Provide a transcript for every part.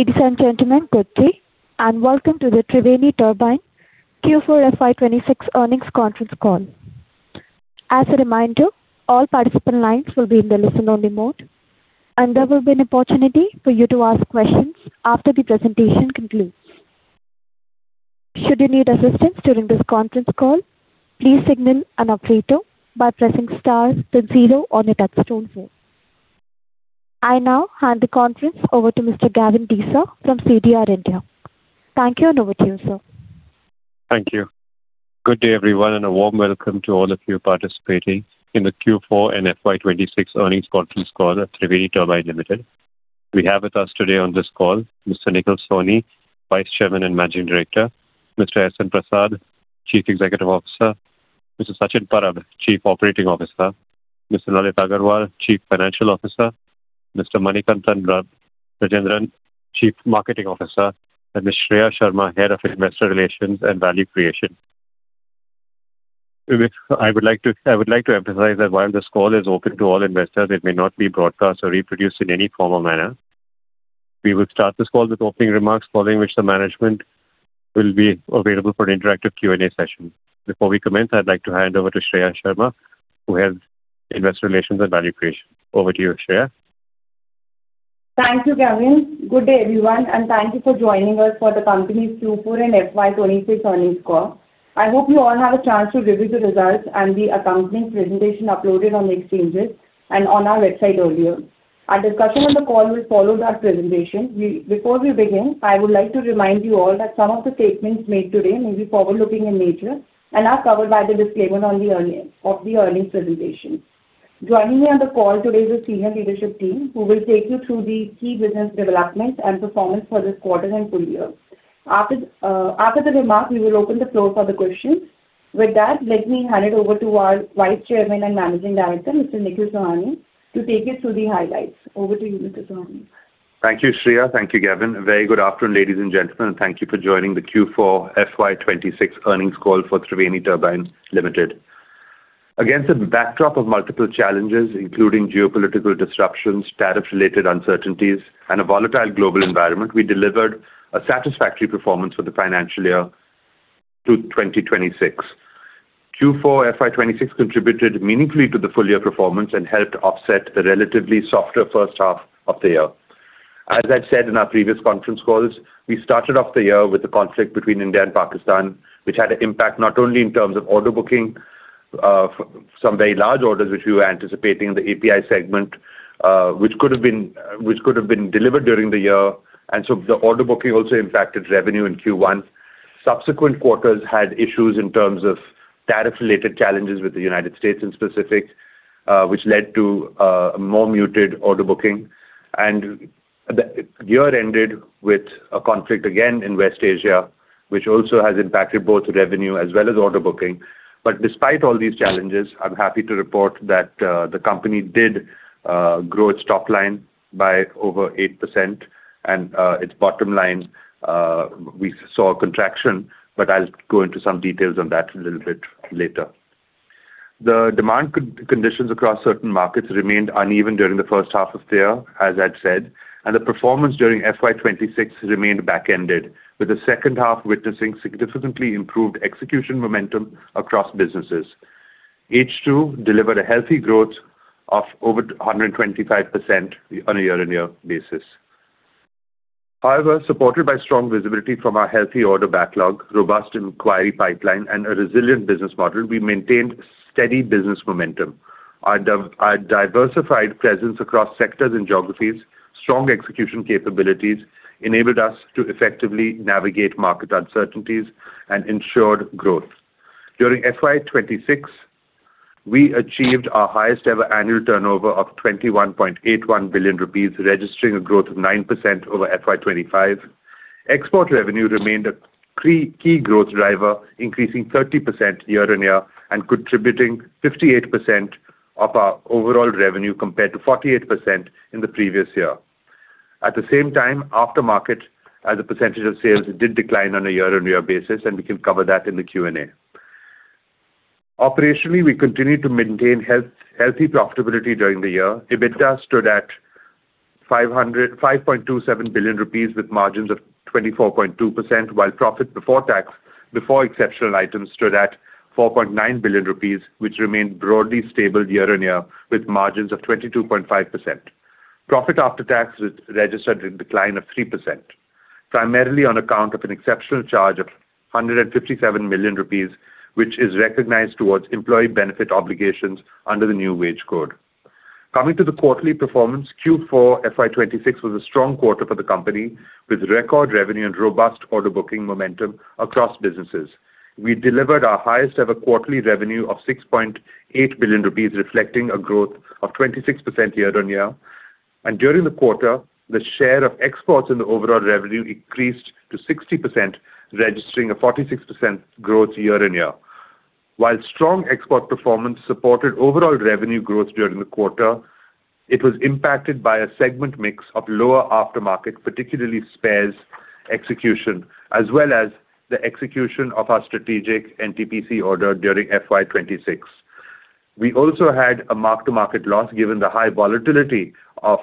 Ladies and gentlemen, good day, and welcome to the Triveni Turbine Q4 FY 2026 earnings conference call. As a reminder, all participant lines will be in the listen-only mode, and there will be an opportunity for you to ask questions after the presentation concludes. Should you need assistance during this conference call, please signal an operator by pressing star then zero on your touchtone phone. I now hand the conference over to Mr. Gavin Desa from CDR India. Thank you, and over to you, sir. Thank you. Good day, everyone, and a warm welcome to all of you participating in the Q4 and FY 2026 earnings conference call at Triveni Turbine Limited. We have with us today on this call Mr. Nikhil Sawhney, Vice Chairman and Managing Director, [Mr. Narayana] Prasad, Chief Executive Officer, Mr. Sachin Parab, Chief Operating Officer, Mr. Lalit Agarwal, Chief Financial Officer, Mr. Manikantan Rajendran, Chief Marketing Officer, and Ms. Shreya Sharma, Head of Investor Relations and Value Creation. I would like to emphasize that while this call is open to all investors, it may not be broadcast or reproduced in any form or manner. We will start this call with opening remarks, following which the management will be available for an interactive Q&A session. Before we commence, I'd like to hand over to Shreya Sharma who heads Investor Relations and Value Creation. Over to you, Shreya. Thank you, Gavin. Good day, everyone, and thank you for joining us for the company's Q4 and FY 2026 earnings call. I hope you all have a chance to review the results and the accompanying presentation uploaded on the exchanges and on our website earlier. Our discussion on the call will follow that presentation. Before we begin, I would like to remind you all that some of the statements made today may be forward-looking in nature and are covered by the disclaimer of the earnings presentation. Joining me on the call today is the senior leadership team, who will take you through the key business developments and performance for this quarter and full year. After the remarks, we will open the floor for the questions. With that, let me hand it over to our Vice Chairman and Managing Director, Mr. Nikhil Sawhney, to take us through the highlights. Over to you, Mr. Sawhney. Thank you, Shreya. Thank you, Gavin. A very good afternoon, ladies and gentlemen, and thank you for joining the Q4 FY 2026 earnings call for Triveni Turbine Limited. Against a backdrop of multiple challenges, including geopolitical disruptions, tariff-related uncertainties, and a volatile global environment, we delivered a satisfactory performance for the financial year 2026. Q4 FY 2026 contributed meaningfully to the full-year performance and helped offset the relatively softer first half of the year. As I've said in our previous conference calls, we started off the year with the conflict between India and Pakistan, which had an impact not only in terms of order booking, some very large orders which we were anticipating in the API segment, which could have been delivered during the year. The order booking also impacted revenue in Q1. Subsequent quarters had issues in terms of tariff-related challenges with the United States in specific, which led to a more muted order booking. The year ended with a conflict again in West Asia, which also has impacted both revenue as well as order booking. Despite all these challenges, I'm happy to report that the company did grow its top line by over 8% and its bottom line, we saw a contraction, but I'll go into some details on that a little bit later. The demand conditions across certain markets remained uneven during the first half of the year, as I'd said. The performance during FY 2026 remained back-ended, with the second half witnessing significantly improved execution momentum across businesses. H2 delivered a healthy growth of over 125% on a year-on-year basis. However, supported by strong visibility from our healthy order backlog, robust inquiry pipeline, and a resilient business model, we maintained steady business momentum. Our diversified presence across sectors and geographies, strong execution capabilities enabled us to effectively navigate market uncertainties and ensured growth. During FY 2026, we achieved our highest ever annual turnover of 21.81 billion rupees, registering a growth of 9% over FY 2025. Export revenue remained a key growth driver, increasing 30% year-on-year and contributing 58% of our overall revenue compared to 48% in the previous year. At the same time, aftermarket as a percentage of sales did decline on a year-on-year basis, and we can cover that in the Q&A. Operationally, we continued to maintain healthy profitability during the year. EBITDA stood at 5.27 billion rupees with margins of 24.2%, while profit before tax, before exceptional items stood at 4.9 billion rupees, which remained broadly stable year-on-year with margins of 22.5%. Profit after tax registered a decline of 3%, primarily on account of an exceptional charge of 157 million rupees, which is recognized towards employee benefit obligations under the new Wage Code. Coming to the quarterly performance, Q4 FY 2026 was a strong quarter for the company, with record revenue and robust order booking momentum across businesses. We delivered our highest ever quarterly revenue of 6.8 billion rupees, reflecting a growth of 26% year-on-year. During the quarter, the share of exports in the overall revenue increased to 60%, registering a 46% growth year-on-year. While strong export performance supported overall revenue growth during the quarter, it was impacted by a segment mix of lower aftermarket, particularly spares execution, as well as the execution of our strategic NTPC order during FY 2026. We also had a mark-to-market loss given the high volatility of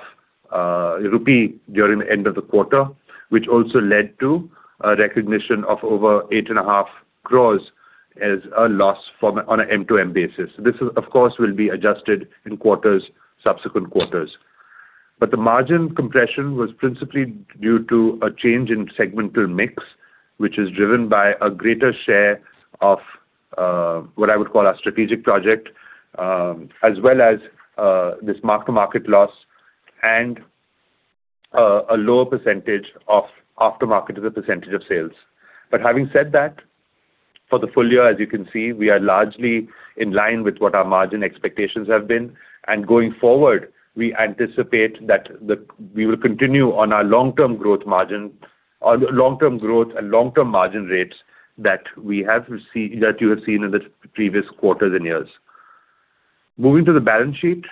rupee during the end of the quarter, which also led to a recognition of over 8.5 crores as a loss on a MTM basis. This, of course, will be adjusted in quarters, subsequent quarters. The margin compression was principally due to a change in segmental mix, which is driven by a greater share of what I would call our strategic project, as well as this mark-to-market loss and a lower percentage of aftermarket as a percentage of sales. Having said that, for the full year, as you can see, we are largely in line with what our margin expectations have been. Going forward, we anticipate that we will continue on our long-term growth margin, long-term growth and long-term margin rates that you have seen in the previous quarters and years. Moving to the balance sheet,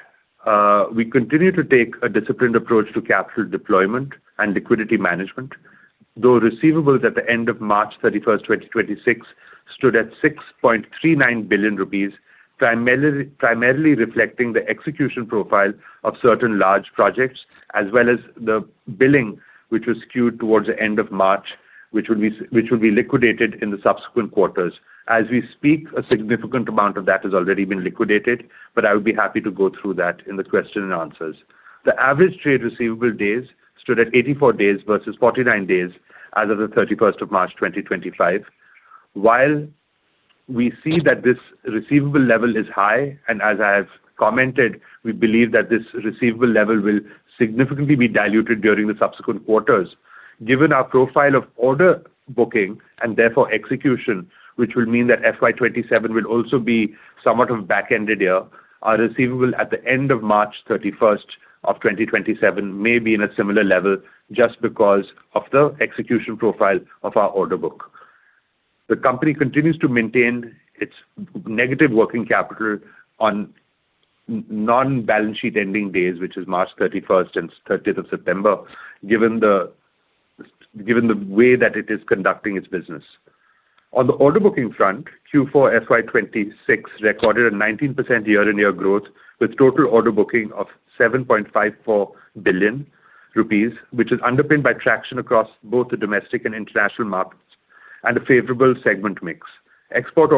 we continue to take a disciplined approach to capital deployment and liquidity management. Receivables at the end of March 31st, 2026 stood at 6.39 billion rupees, primarily reflecting the execution profile of certain large projects, as well as the billing, which was skewed towards the end of March, which will be liquidated in the subsequent quarters. As we speak, a significant amount of that has already been liquidated. I would be happy to go through that in the question and answers. The average trade receivable days stood at 84 days versus 49 days as of the March 31st, 2025. While we see that this receivable level is high, and as I have commented, we believe that this receivable level will significantly be diluted during the subsequent quarters. Given our profile of order booking and therefore execution, which will mean that FY 2027 will also be somewhat of back-ended year, our receivable at the end of March 31st, 2027 may be in a similar level just because of the execution profile of our order book. The company continues to maintain its negative working capital on non-balance sheet ending days, which is March 31st and 30th of September, given the way that it is conducting its business. On the order booking front, Q4 FY 2026 recorded a 19% year-on-year growth, with total order booking of 7.54 billion rupees, which is underpinned by traction across both the domestic and international markets and a favorable segment mix. Export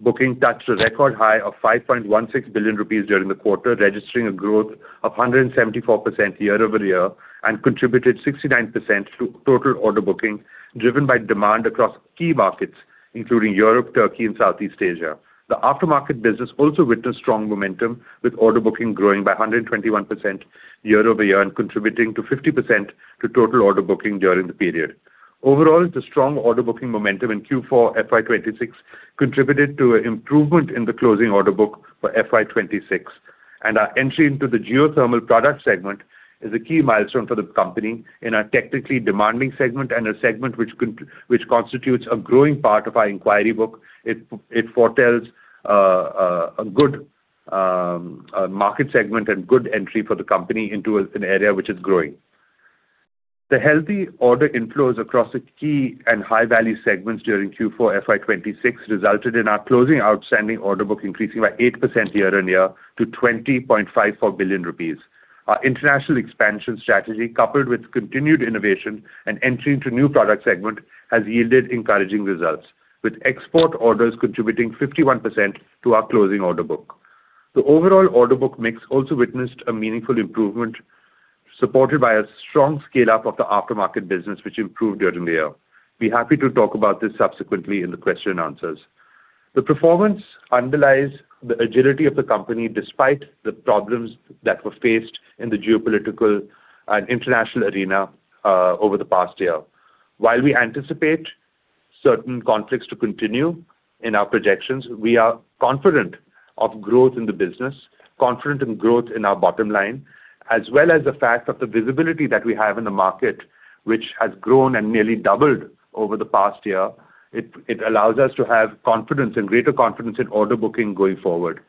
orders booking touched a record high of 5.16 billion rupees during the quarter, registering a growth of 174% year-over-year and contributed 69% to total order booking, driven by demand across key markets, including Europe, Turkey, and Southeast Asia. The aftermarket business also witnessed strong momentum, with order booking growing by 121% year-over-year and contributing 50% to total order booking during the period. Overall, the strong order booking momentum in Q4 FY 2026 contributed to improvement in the closing order book for FY 2026. Our entry into the geothermal product segment is a key milestone for the company in a technically demanding segment and a segment which constitutes a growing part of our inquiry book. It foretells a good market segment and good entry for the company into an area which is growing. The healthy order inflows across the key and high-value segments during Q4 FY 2026 resulted in our closing outstanding order book increasing by 8% year-on-year to 20.54 billion rupees. Our international expansion strategy, coupled with continued innovation and entry into new product segment, has yielded encouraging results, with export orders contributing 51% to our closing order book. The overall order book mix also witnessed a meaningful improvement supported by a strong scale-up of the aftermarket business which improved during the year. Be happy to talk about this subsequently in the question and answers. The performance underlies the agility of the company despite the problems that were faced in the geopolitical and international arena over the past year. While we anticipate certain conflicts to continue in our projections, we are confident of growth in the business, confident in growth in our bottom line, as well as the fact of the visibility that we have in the market, which has grown and nearly doubled over the past year. It allows us to have confidence and greater confidence in order booking going forward.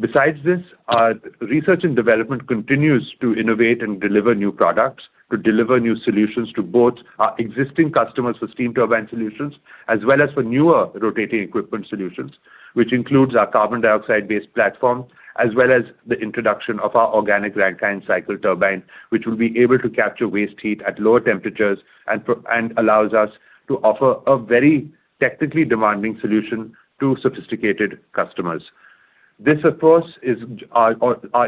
Besides this, our research and development continues to innovate and deliver new products, to deliver new solutions to both our existing customers for steam turbine solutions, as well as for newer rotating equipment solutions, which includes our carbon dioxide-based platform, as well as the introduction of our Organic Rankine Cycle turbine, which will be able to capture waste heat at lower temperatures and allows us to offer a very technically demanding solution to sophisticated customers. This, of course, is our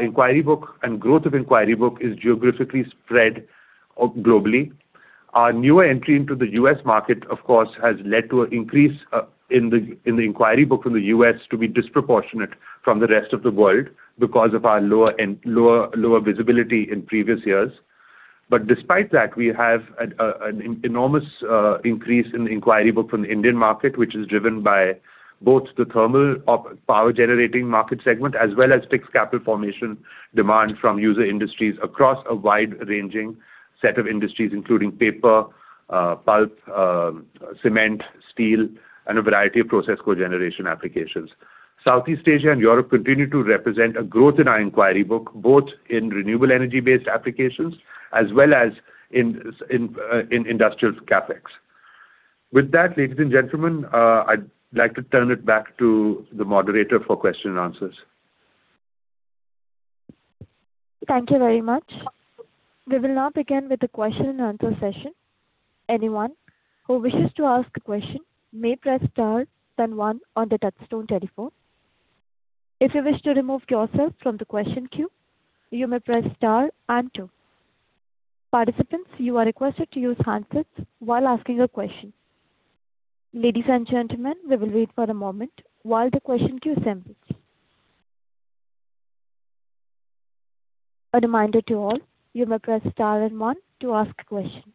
inquiry book and growth of inquiry book is geographically spread globally. Our newer entry into the U.S. market, of course, has led to an increase in the inquiry book from the U.S. to be disproportionate from the rest of the world because of our lower visibility in previous years. Despite that, we have an enormous increase in the inquiry book from the Indian market, which is driven by both the thermal power generating market segment as well as fixed capital formation demand from user industries across a wide-ranging set of industries, including paper, pulp, cement, steel, and a variety of process cogeneration applications. Southeast Asia and Europe continue to represent a growth in our inquiry book, both in renewable energy-based applications as well as in in industrial CapEx. With that, ladies and gentlemen, I'd like to turn it back to the moderator for question and answers. Thank you very much. We will now begin with the question and answer session. Anyone who wishes to ask a question may press star then one on the touchstone telephone. If you wish to remove yourself from the question queue, you may press star and two. Participants, you are requested to use handsets while asking a question. Ladies and gentlemen, we will wait for a moment while the question queue assembles. A reminder to all, you may press star and one to ask a question.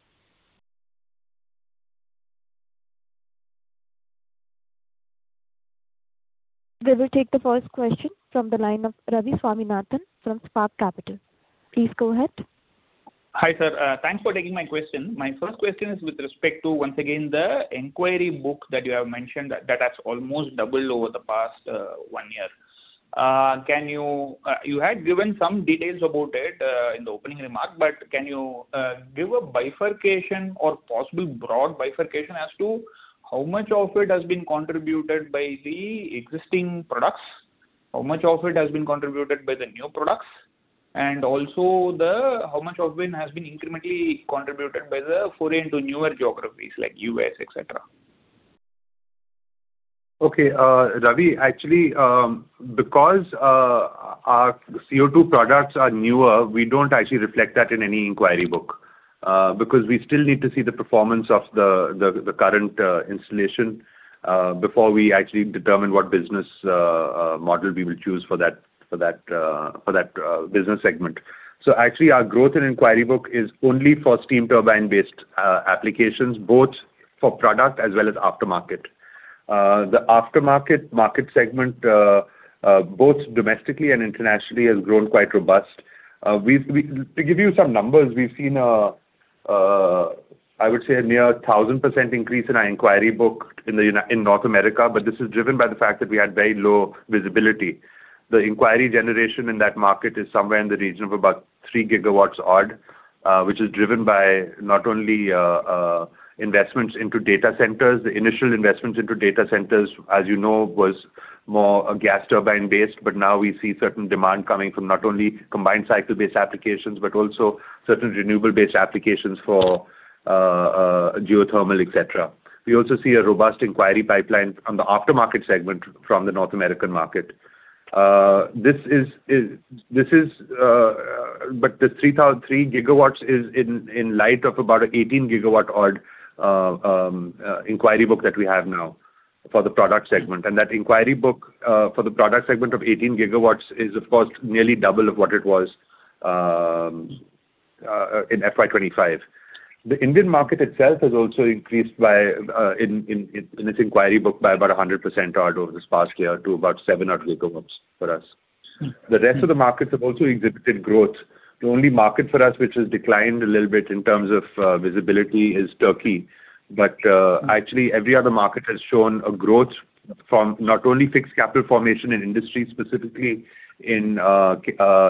We will take the first question from the line of Ravi Swaminathan from Spark Capital. Please go ahead. Hi, sir. Thanks for taking my question. My first question is with respect to, once again, the inquiry book that you have mentioned that has almost doubled over the past one year. You had given some details about it in the opening remark. Can you give a bifurcation or possible broad bifurcation as to how much of it has been contributed by the existing products, how much of it has been contributed by the new products, and also the how much of it has been incrementally contributed by the foray into newer geographies like U.S., et cetera? Okay. Ravi, actually, because our CO₂ products are newer, we don't actually reflect that in any inquiry book. Because we still need to see the performance of the current installation before we actually determine what business model we will choose for that business segment. Actually, our growth in inquiry book is only for steam turbine-based applications, both for product as well as aftermarket. The aftermarket market segment, both domestically and internationally, has grown quite robust. To give you some numbers, we've seen a I would say a near 1,000% increase in our inquiry book in North America, this is driven by the fact that we had very low visibility. The inquiry generation in that market is somewhere in the region of about 3 GW odd, which is driven by not only investments into data centers. The initial investments into data centers, as you know, was more gas turbine-based. Now we see certain demand coming from not only combined cycle-based applications, but also certain renewable-based applications for geothermal, et cetera. We also see a robust inquiry pipeline on the aftermarket segment from the North American market. This is- But the 3 GW is in light of about 18 GW odd inquiry book that we have now for the product segment. That inquiry book for the product segment of 18 GW is of course nearly double of what it was in FY 2025. The Indian market itself has also increased by in its inquiry book by about 100% odd over this past year to about 7-odd GW for us. The rest of the markets have also exhibited growth. The only market for us which has declined a little bit in terms of visibility is Turkey. Actually every other market has shown a growth from not only fixed capital formation in industry, specifically in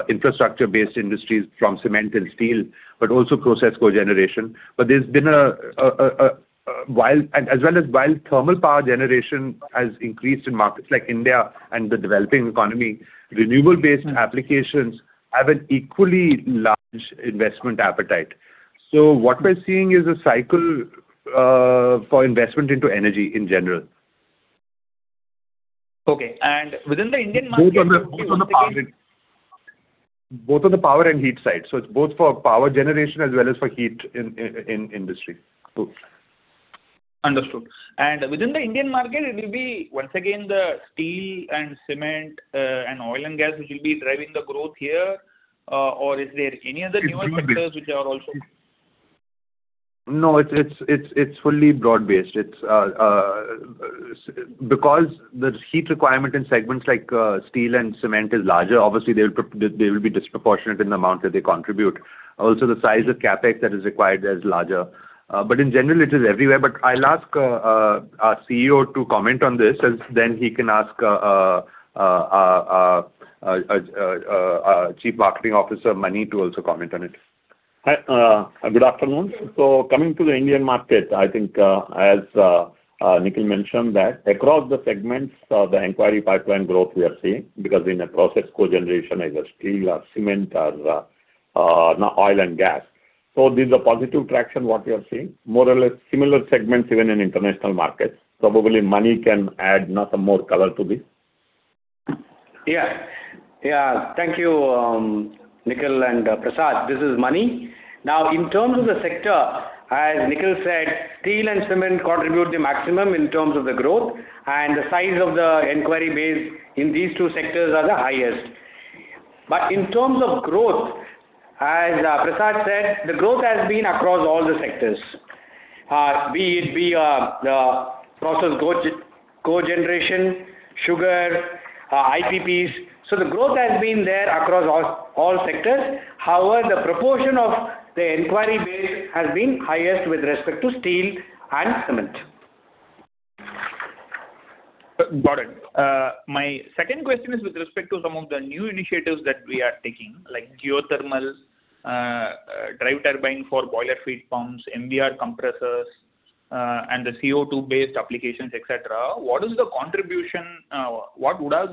infrastructure-based industries from cement and steel, but also process cogeneration. As well as while thermal power generation has increased in markets like India and the developing economy, renewable-based applications have an equally large investment appetite. What we're seeing is a cycle for investment into energy in general. Okay. Within the Indian market? Both on the power and heat. Both on the power and heat side. It's both for power generation as well as for heat in industry too. Understood. Within the Indian market, it will be once again the steel and cement and oil and gas which will be driving the growth here. Is there any other newer sectors which are also? No, it's fully broad based. It's because the heat requirement in segments like steel and cement is larger, obviously they will be disproportionate in the amount that they contribute. The size of CapEx that is required is larger. In general it is everywhere. I'll ask our CEO to comment on this and then he can ask our Chief Marketing Officer, Mani, to also comment on it. Hi. Good afternoon. Coming to the Indian market, I think, as Nikhil mentioned that across the segments, the inquiry pipeline growth we are seeing, because in a process cogeneration either steel or cement or oil and gas. This is a positive traction what we are seeing. More or less similar segments even in international markets. Probably Mani can add now some more color to this. Yeah. Yeah. Thank you, Nikhil and Prasad. This is Mani. In terms of the sector, as Nikhil said, steel and cement contribute the maximum in terms of the growth, and the size of the inquiry base in these two sectors are the highest. In terms of growth, as Prasad said, the growth has been across all the sectors. Be it be, the process cogeneration, sugar, IPPs. The growth has been there across all sectors. However, the proportion of the inquiry base has been highest with respect to steel and cement. Got it. My second question is with respect to some of the new initiatives that we are taking, like geothermal, drive turbine for boiler feed pumps, MVR compressors, and the CO₂-based applications, et cetera. What would have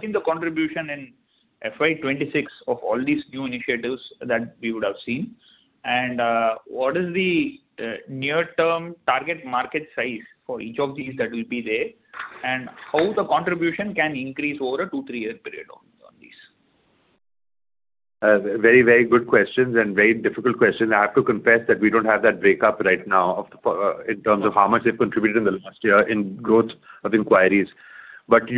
been the contribution in FY 2026 of all these new initiatives that we would have seen? What is the near-term target market size for each of these that will be there? How the contribution can increase over a two, three-year period on these? Very, very good questions and very difficult questions. I have to confess that we don't have that break-up right now in terms of how much they've contributed in the last year in growth of inquiries. Let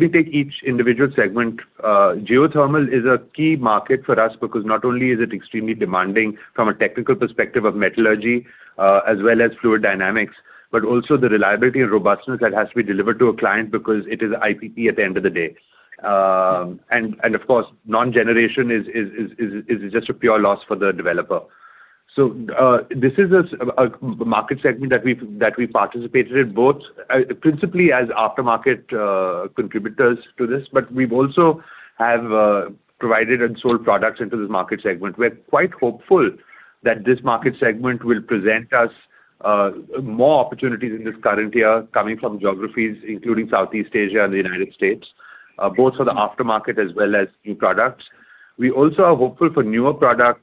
me take each individual segment. Geothermal is a key market for us because not only is it extremely demanding from a technical perspective of metallurgy, as well as fluid dynamics, but also the reliability and robustness that has to be delivered to a client because it is IPP at the end of the day. Of course, non-generation is just a pure loss for the developer. This is a market segment that we've, that we participated in both, principally as aftermarket, contributors to this, but we've also have, provided and sold products into this market segment. We're quite hopeful that this market segment will present us, more opportunities in this current year coming from geographies, including Southeast Asia and the U.S., both for the aftermarket as well as new products. We also are hopeful for newer product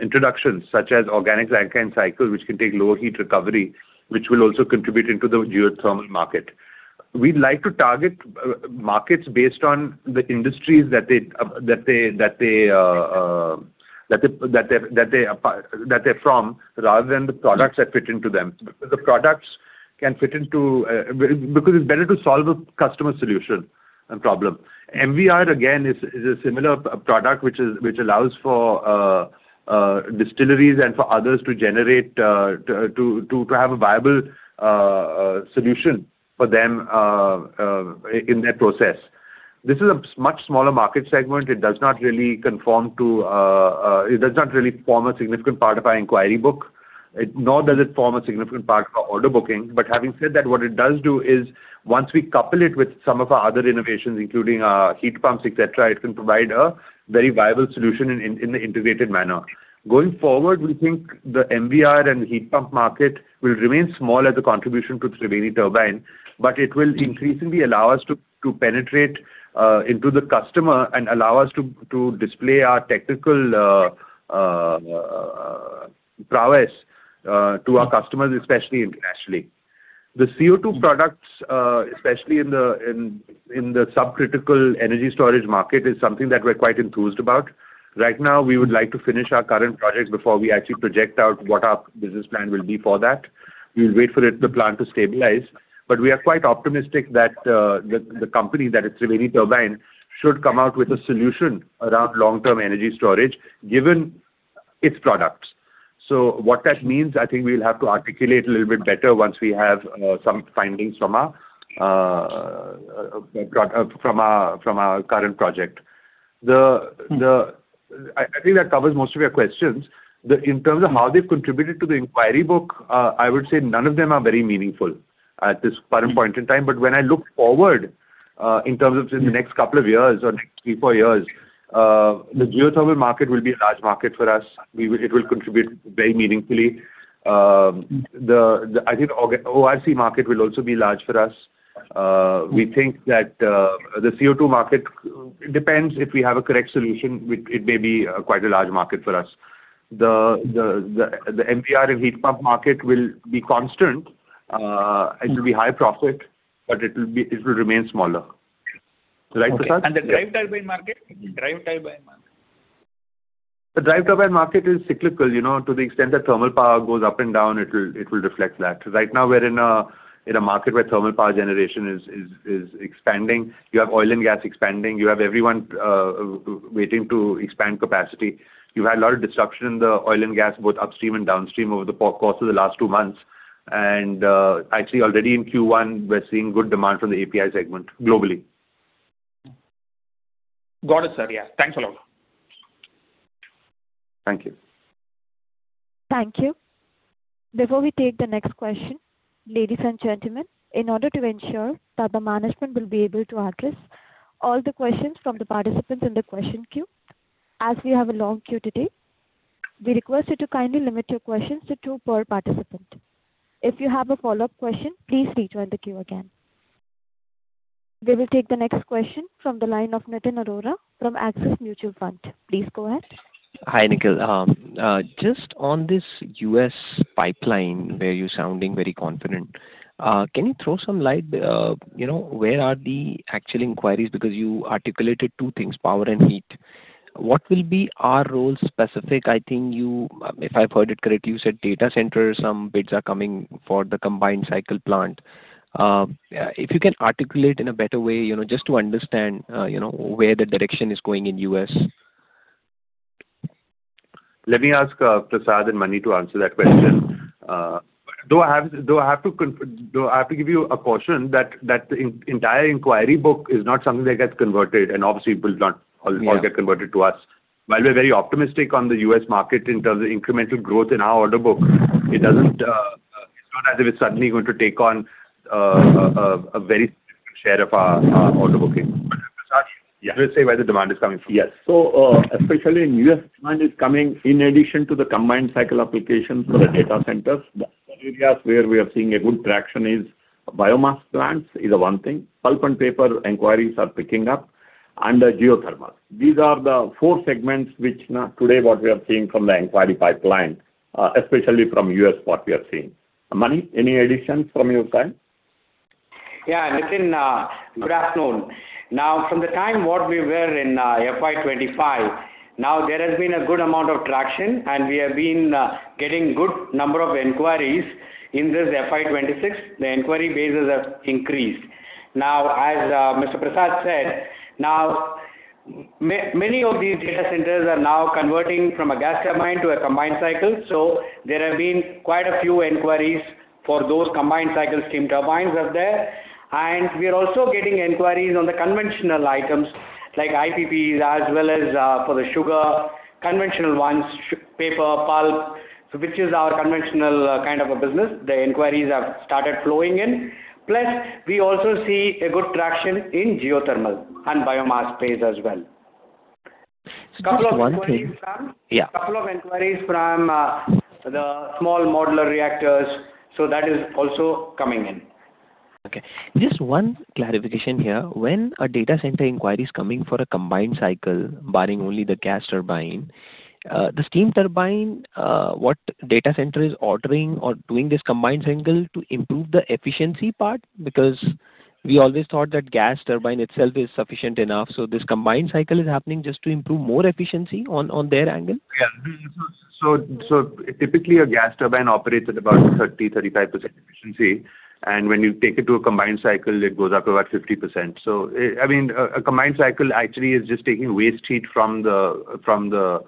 introductions such as Organic Rankine Cycle, which can take lower heat recovery, which will also contribute into the geothermal market. We'd like to target markets based on the industries that they're from, rather than the products that fit into them. Because the products can fit into, because it's better to solve a customer solution and problem. MVR, again, is a similar product which allows for distilleries and for others to generate to have a viable solution for them in their process. This is a much smaller market segment. It does not really conform to. It does not really form a significant part of our inquiry book. Nor does it form a significant part of our order booking. Having said that, what it does do is once we couple it with some of our other innovations, including our heat pumps, et cetera, it can provide a very viable solution in the integrated manner. Going forward, we think the MVR and heat pump market will remain small as a contribution to Triveni Turbine, but it will increasingly allow us to penetrate into the customer and allow us to display our technical prowess to our customers, especially internationally. The CO₂ products, especially in the supercritical energy storage market, is something that we're quite enthused about. Right now, we would like to finish our current projects before we actually project out what our business plan will be for that. We'll wait for it, the plan to stabilize. We are quite optimistic that the company, that is Triveni Turbine, should come out with a solution around long-term energy storage given its products. What that means, I think we'll have to articulate a little bit better once we have some findings from our current project. I think that covers most of your questions. In terms of how they've contributed to the inquiry book, I would say none of them are very meaningful at this current point in time. When I look forward, in terms of say the next couple of years or next three, four years, the geothermal market will be a large market for us. It will contribute very meaningfully. I think ORC market will also be large for us. We think that the CO₂ market depends if we have a correct solution, which it may be quite a large market for us. The MVR and heat pump market will be constant. It will be high profit, but it will remain smaller. Right, Prasad? Okay. The drive turbine market. Drive turbine market. The drive turbine market is cyclical, you know, to the extent that thermal power goes up and down, it will reflect that. Right now we're in a market where thermal power generation is expanding. You have oil and gas expanding. You have everyone waiting to expand capacity. You've had a lot of disruption in the oil and gas, both upstream and downstream, over the course of the last two months. Actually, already in Q1, we're seeing good demand from the API segment globally. Got it, sir. Yeah. Thanks a lot. Thank you. Thank you. Before we take the next question, ladies and gentlemen, in order to ensure that the management will be able to address all the questions from the participants in the question queue, as we have a long queue today, we request you to kindly limit your questions to two per participant. If you have a follow-up question, please rejoin the queue again. We will take the next question from the line of Nitin Arora from Axis Mutual Fund. Please go ahead. Hi, Nikhil. Just on this U.S. pipeline where you're sounding very confident, can you throw some light, you know, where are the actual inquiries? Because you articulated two things, power and heat. What will be our role specific? I think you, if I've heard it correctly, you said data center, some bids are coming for the combined cycle plant. If you can articulate in a better way, you know, just to understand, you know, where the direction is going in U.S. Let me ask Prasad and Mani to answer that question. Though I have to give you a caution that the entire inquiry book is not something that gets converted, and obviously it will not all get converted to us. While we're very optimistic on the U.S. market in terms of incremental growth in our order book, it's not as if it's suddenly going to take on a very significant share of our order booking. Prasad. Yeah. Can you say where the demand is coming from? Yes. Especially in U.S., demand is coming in addition to the combined cycle applications for the data centers. The other areas where we are seeing a good traction is biomass plants is a one thing. Pulp and paper inquiries are picking up, and the geothermal. These are the four segments which now today what we are seeing from the inquiry pipeline, especially from U.S., what we are seeing. Mani, any additions from your side? Yeah, Nitin, good afternoon. From the time what we were in FY 2025, now there has been a good amount of traction, and we have been getting good number of inquiries. In this FY 2026, the inquiry bases have increased. As Mr. Prasad said, now many of these data centers are now converting from a gas turbine to a combined cycle. There have been quite a few inquiries for those combined cycle steam turbines are there. We are also getting inquiries on the conventional items like IPPs as well as for the sugar, conventional ones, paper, pulp. Which is our conventional kind of a business. The inquiries have started flowing in. We also see a good traction in geothermal and biomass space as well. Just one thing- Couple of inquiries from-. Yeah. Couple of inquiries from the small modular reactors, so that is also coming in. Okay. Just one clarification here. When a data center inquiry is coming for a combined cycle barring only the gas turbine, the steam turbine, what data center is ordering or doing this combined cycle to improve the efficiency part? We always thought that gas turbine itself is sufficient enough, this combined cycle is happening just to improve more efficiency on their angle? Yeah. Typically a gas turbine operates at about 30%-35% efficiency, and when you take it to a combined cycle, it goes up to about 50%. I mean, a combined cycle actually is just taking waste heat from the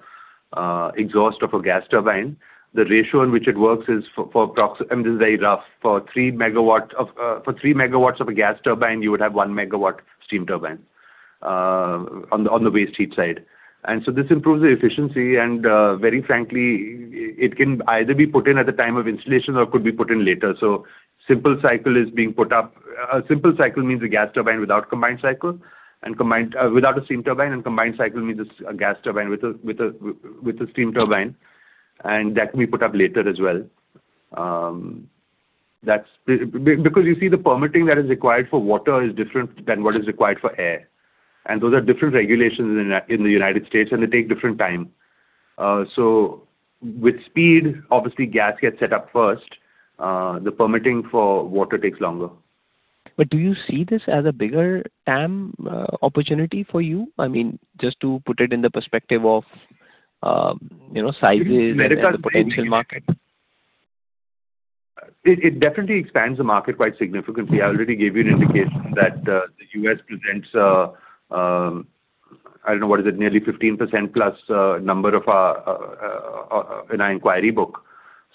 exhaust of a gas turbine. The ratio in which it works is, I mean, this is very rough. For 3 MW of a gas turbine, you would have 1 MW steam turbine on the waste heat side. This improves the efficiency and, very frankly, it can either be put in at the time of installation or could be put in later. Simple cycle is being put up. A simple cycle means a gas turbine without a steam turbine and combined cycle means a gas turbine with a steam turbine, and that can be put up later as well. That's because you see the permitting that is required for water is different than what is required for air. Those are different regulations in the U.S., and they take different time. With speed, obviously gas gets set up first. The permitting for water takes longer. Do you see this as a bigger TAM opportunity for you? I mean, just to put it in the perspective of, you know, sizes and the potential market. It definitely expands the market quite significantly. I already gave you an indication that the U.S. presents, I don't know, what is it, nearly 15%+ number of our in our inquiry book.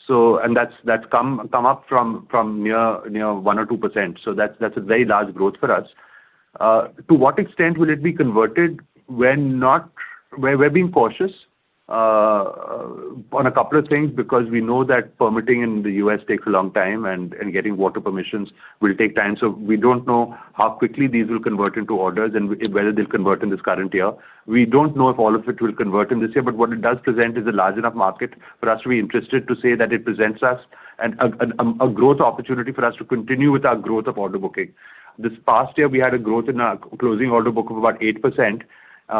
That's come up from near 1% or 2%. That's a very large growth for us. To what extent will it be converted? We're being cautious on a couple of things because we know that permitting in the U.S. takes a long time and getting water permissions will take time. We don't know how quickly these will convert into orders and whether they'll convert in this current year. We don't know if all of it will convert in this year. What it does present is a large enough market for us to be interested to say that it presents us a growth opportunity for us to continue with our growth of order booking. This past year, we had a growth in our closing order book of about 8%,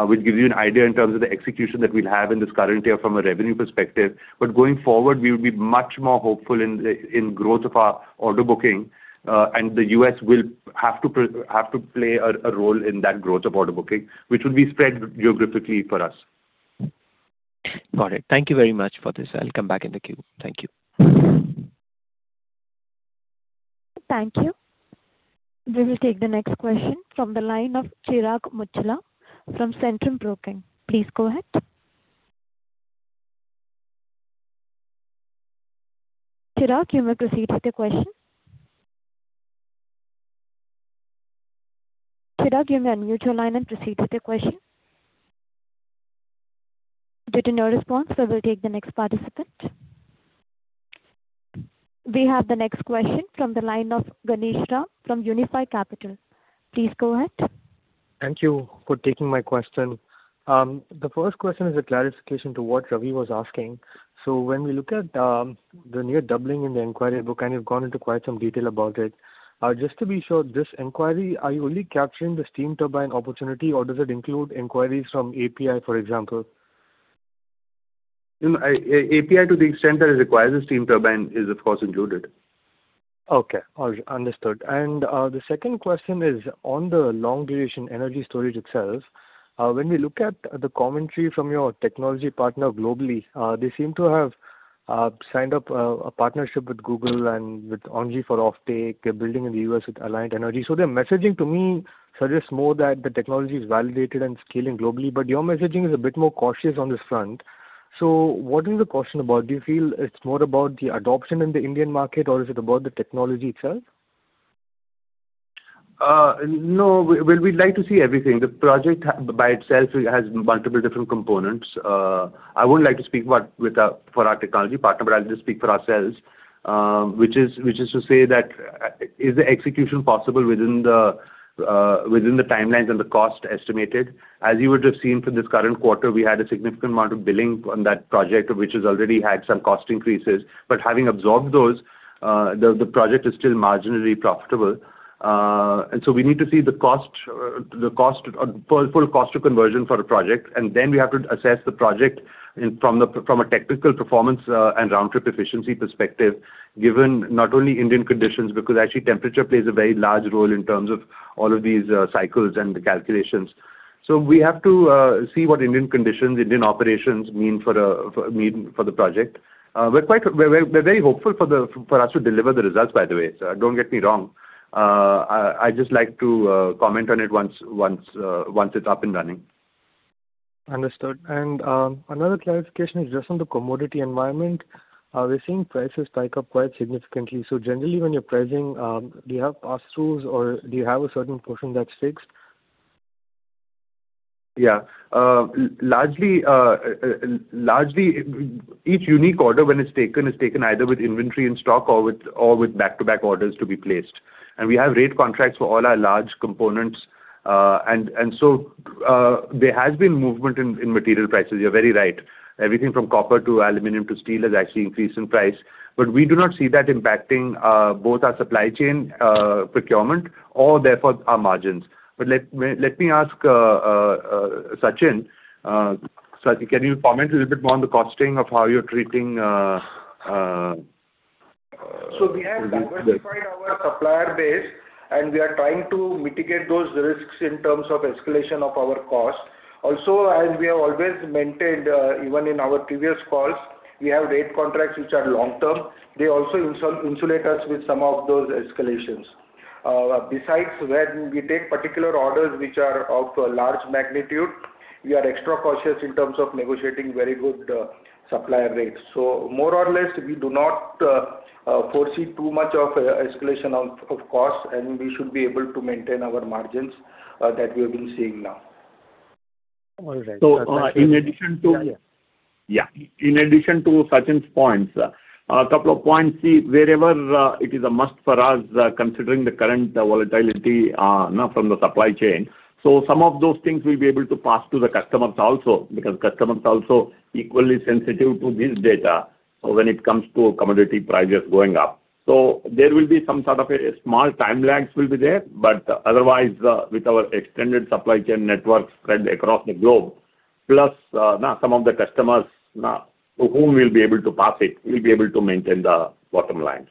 which gives you an idea in terms of the execution that we'll have in this current year from a revenue perspective. Going forward, we would be much more hopeful in the growth of our order booking. The U.S. will have to play a role in that growth of order booking, which will be spread geographically for us. Got it. Thank you very much for this. I'll come back in the queue. Thank you. Thank you. We will take the next question from the line of Chirag Muchhala from Centrum Broking. Please go ahead. Chirag you may proceed with your question. Chirag you may unmute your line and proceed with your question. Due to no response, I will take the next participant. We have the next question from the line of Ganeshram from Unifi Capital. Thank you for taking my question. The first question is a clarification to what Ravi was asking. When we look at the near doubling in the inquiry book, and you've gone into quite some detail about it. Just to be sure, this inquiry, are you only capturing the steam turbine opportunity, or does it include inquiries from API, for example? No, API, to the extent that it requires a steam turbine, is of course included. Okay. Understood. The second question is on the long duration energy storage itself. When we look at the commentary from your technology partner globally, they seem to have signed up a partnership with Google and with ENGIE for offtake. They're building in the U.S. with Alliant Energy. Their messaging to me suggests more that the technology is validated and scaling globally, but your messaging is a bit more cautious on this front. What is the caution about? Do you feel it's more about the adoption in the Indian market, or is it about the technology itself? No, well, we'd like to see everything. The project by itself has multiple different components. I wouldn't like to speak for our technology partner, but I'll just speak for ourselves, which is to say that, is the execution possible within the timelines and the cost estimated? As you would have seen from this current quarter, we had a significant amount of billing on that project, which has already had some cost increases. Having absorbed those, the project is still marginally profitable. We need to see the cost, the cost, full cost of conversion for a project. We have to assess the project from a technical performance, and roundtrip efficiency perspective, given not only Indian conditions, because actually temperature plays a very large role in terms of all of these, cycles and the calculations. We have to see what Indian conditions, Indian operations mean for the project. We're very hopeful for us to deliver the results, by the way. Don't get me wrong. I'd just like to comment on it once it's up and running. Understood. Another clarification is just on the commodity environment. We're seeing prices spike up quite significantly. Generally when you're pricing, do you have pass-throughs or do you have a certain portion that's fixed? Yeah. Largely, largely, each unique order when it's taken, is taken either with inventory in stock or with back-to-back orders to be placed. We have rate contracts for all our large components. There has been movement in material prices. You're very right. Everything from copper to aluminum to steel has actually increased in price. We do not see that impacting both our supply chain procurement or therefore our margins. Let me ask Sachin. Sachin, can you comment a little bit more on the costing of how you're treating? We have diversified our supplier base, and we are trying to mitigate those risks in terms of escalation of our cost. Also, as we have always maintained, even in our previous calls, we have rate contracts which are long-term. They also insulate us with some of those escalations. Besides when we take particular orders which are of a large magnitude, we are extra cautious in terms of negotiating very good supplier rates. More or less, we do not foresee too much of escalation of costs, and we should be able to maintain our margins that we have been seeing now. All right. So in addition to- Yeah, yeah. Yeah. In addition to Sachin's points, a couple of points. See, wherever, it is a must for us, considering the current volatility from the supply chain. Some of those things we'll be able to pass to the customers also, because customers are also equally sensitive to this data when it comes to commodity prices going up. There will be some sort of a small time lags will be there, but otherwise, with our extended supply chain network spread across the globe, plus, some of the customers, to whom we'll be able to pass it, we'll be able to maintain the bottom line.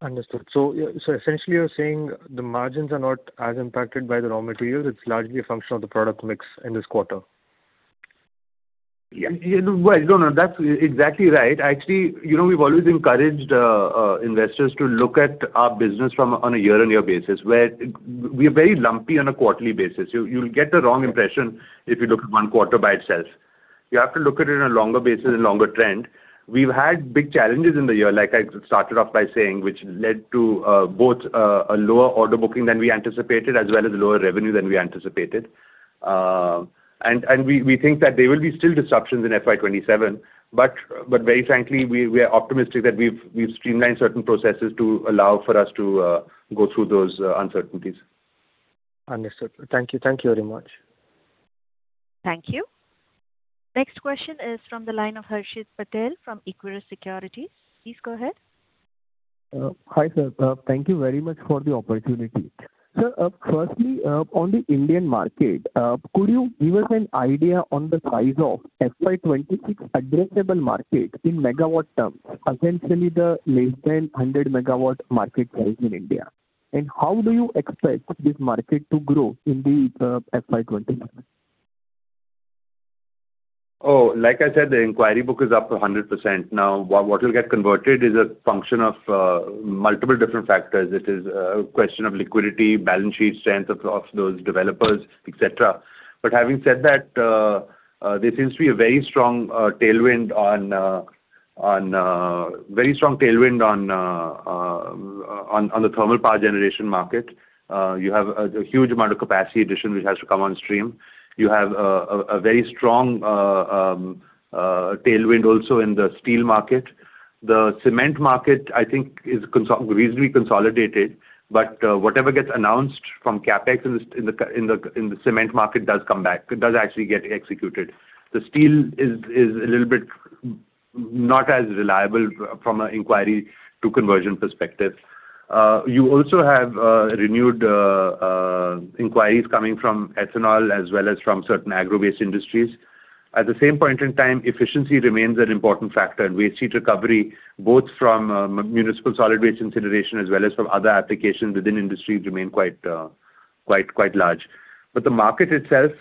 Understood. Essentially you're saying the margins are not as impacted by the raw materials. It's largely a function of the product mix in this quarter. Yeah. Well, no, that's exactly right. Actually, you know, we've always encouraged investors to look at our business from a, on a year-on-year basis, where we're very lumpy on a quarterly basis. You'll get the wrong impression if you look at one quarter by itself. You have to look at it on a longer basis and longer trend. We've had big challenges in the year, like I started off by saying, which led to both a lower order booking than we anticipated as well as lower revenue than we anticipated. We think that there will be still disruptions in FY 2027, very frankly, we are optimistic that we've streamlined certain processes to allow for us to go through those uncertainties. Understood. Thank you. Thank you very much. Thank you. Next question is from the line of Harshit Patel from Equirus Securities. Please go ahead. Hi, sir. Thank you very much for the opportunity. Sir, firstly, on the Indian market, could you give us an idea on the size of FY 2026 addressable market in megawatt terms against only the less than 100 MW market size in India? How do you expect this market to grow in the FY 2027? Like I said, the inquiry book is up 100%. What will get converted is a function of multiple different factors. It is a question of liquidity, balance sheet strength of those developers, et cetera. Having said that, there seems to be a very strong tailwind on the thermal power generation market. You have a huge amount of capacity addition which has to come on stream. You have a very strong tailwind also in the steel market. The cement market, I think is reasonably consolidated, but whatever gets announced from CapEx in the cement market does come back. It does actually get executed. The steel is a little bit not as reliable from a inquiry to conversion perspective. You also have renewed inquiries coming from ethanol as well as from certain agro-based industries. At the same point in time, efficiency remains an important factor, and waste heat recovery, both from municipal solid waste incineration as well as from other applications within industry remain quite large. The market itself,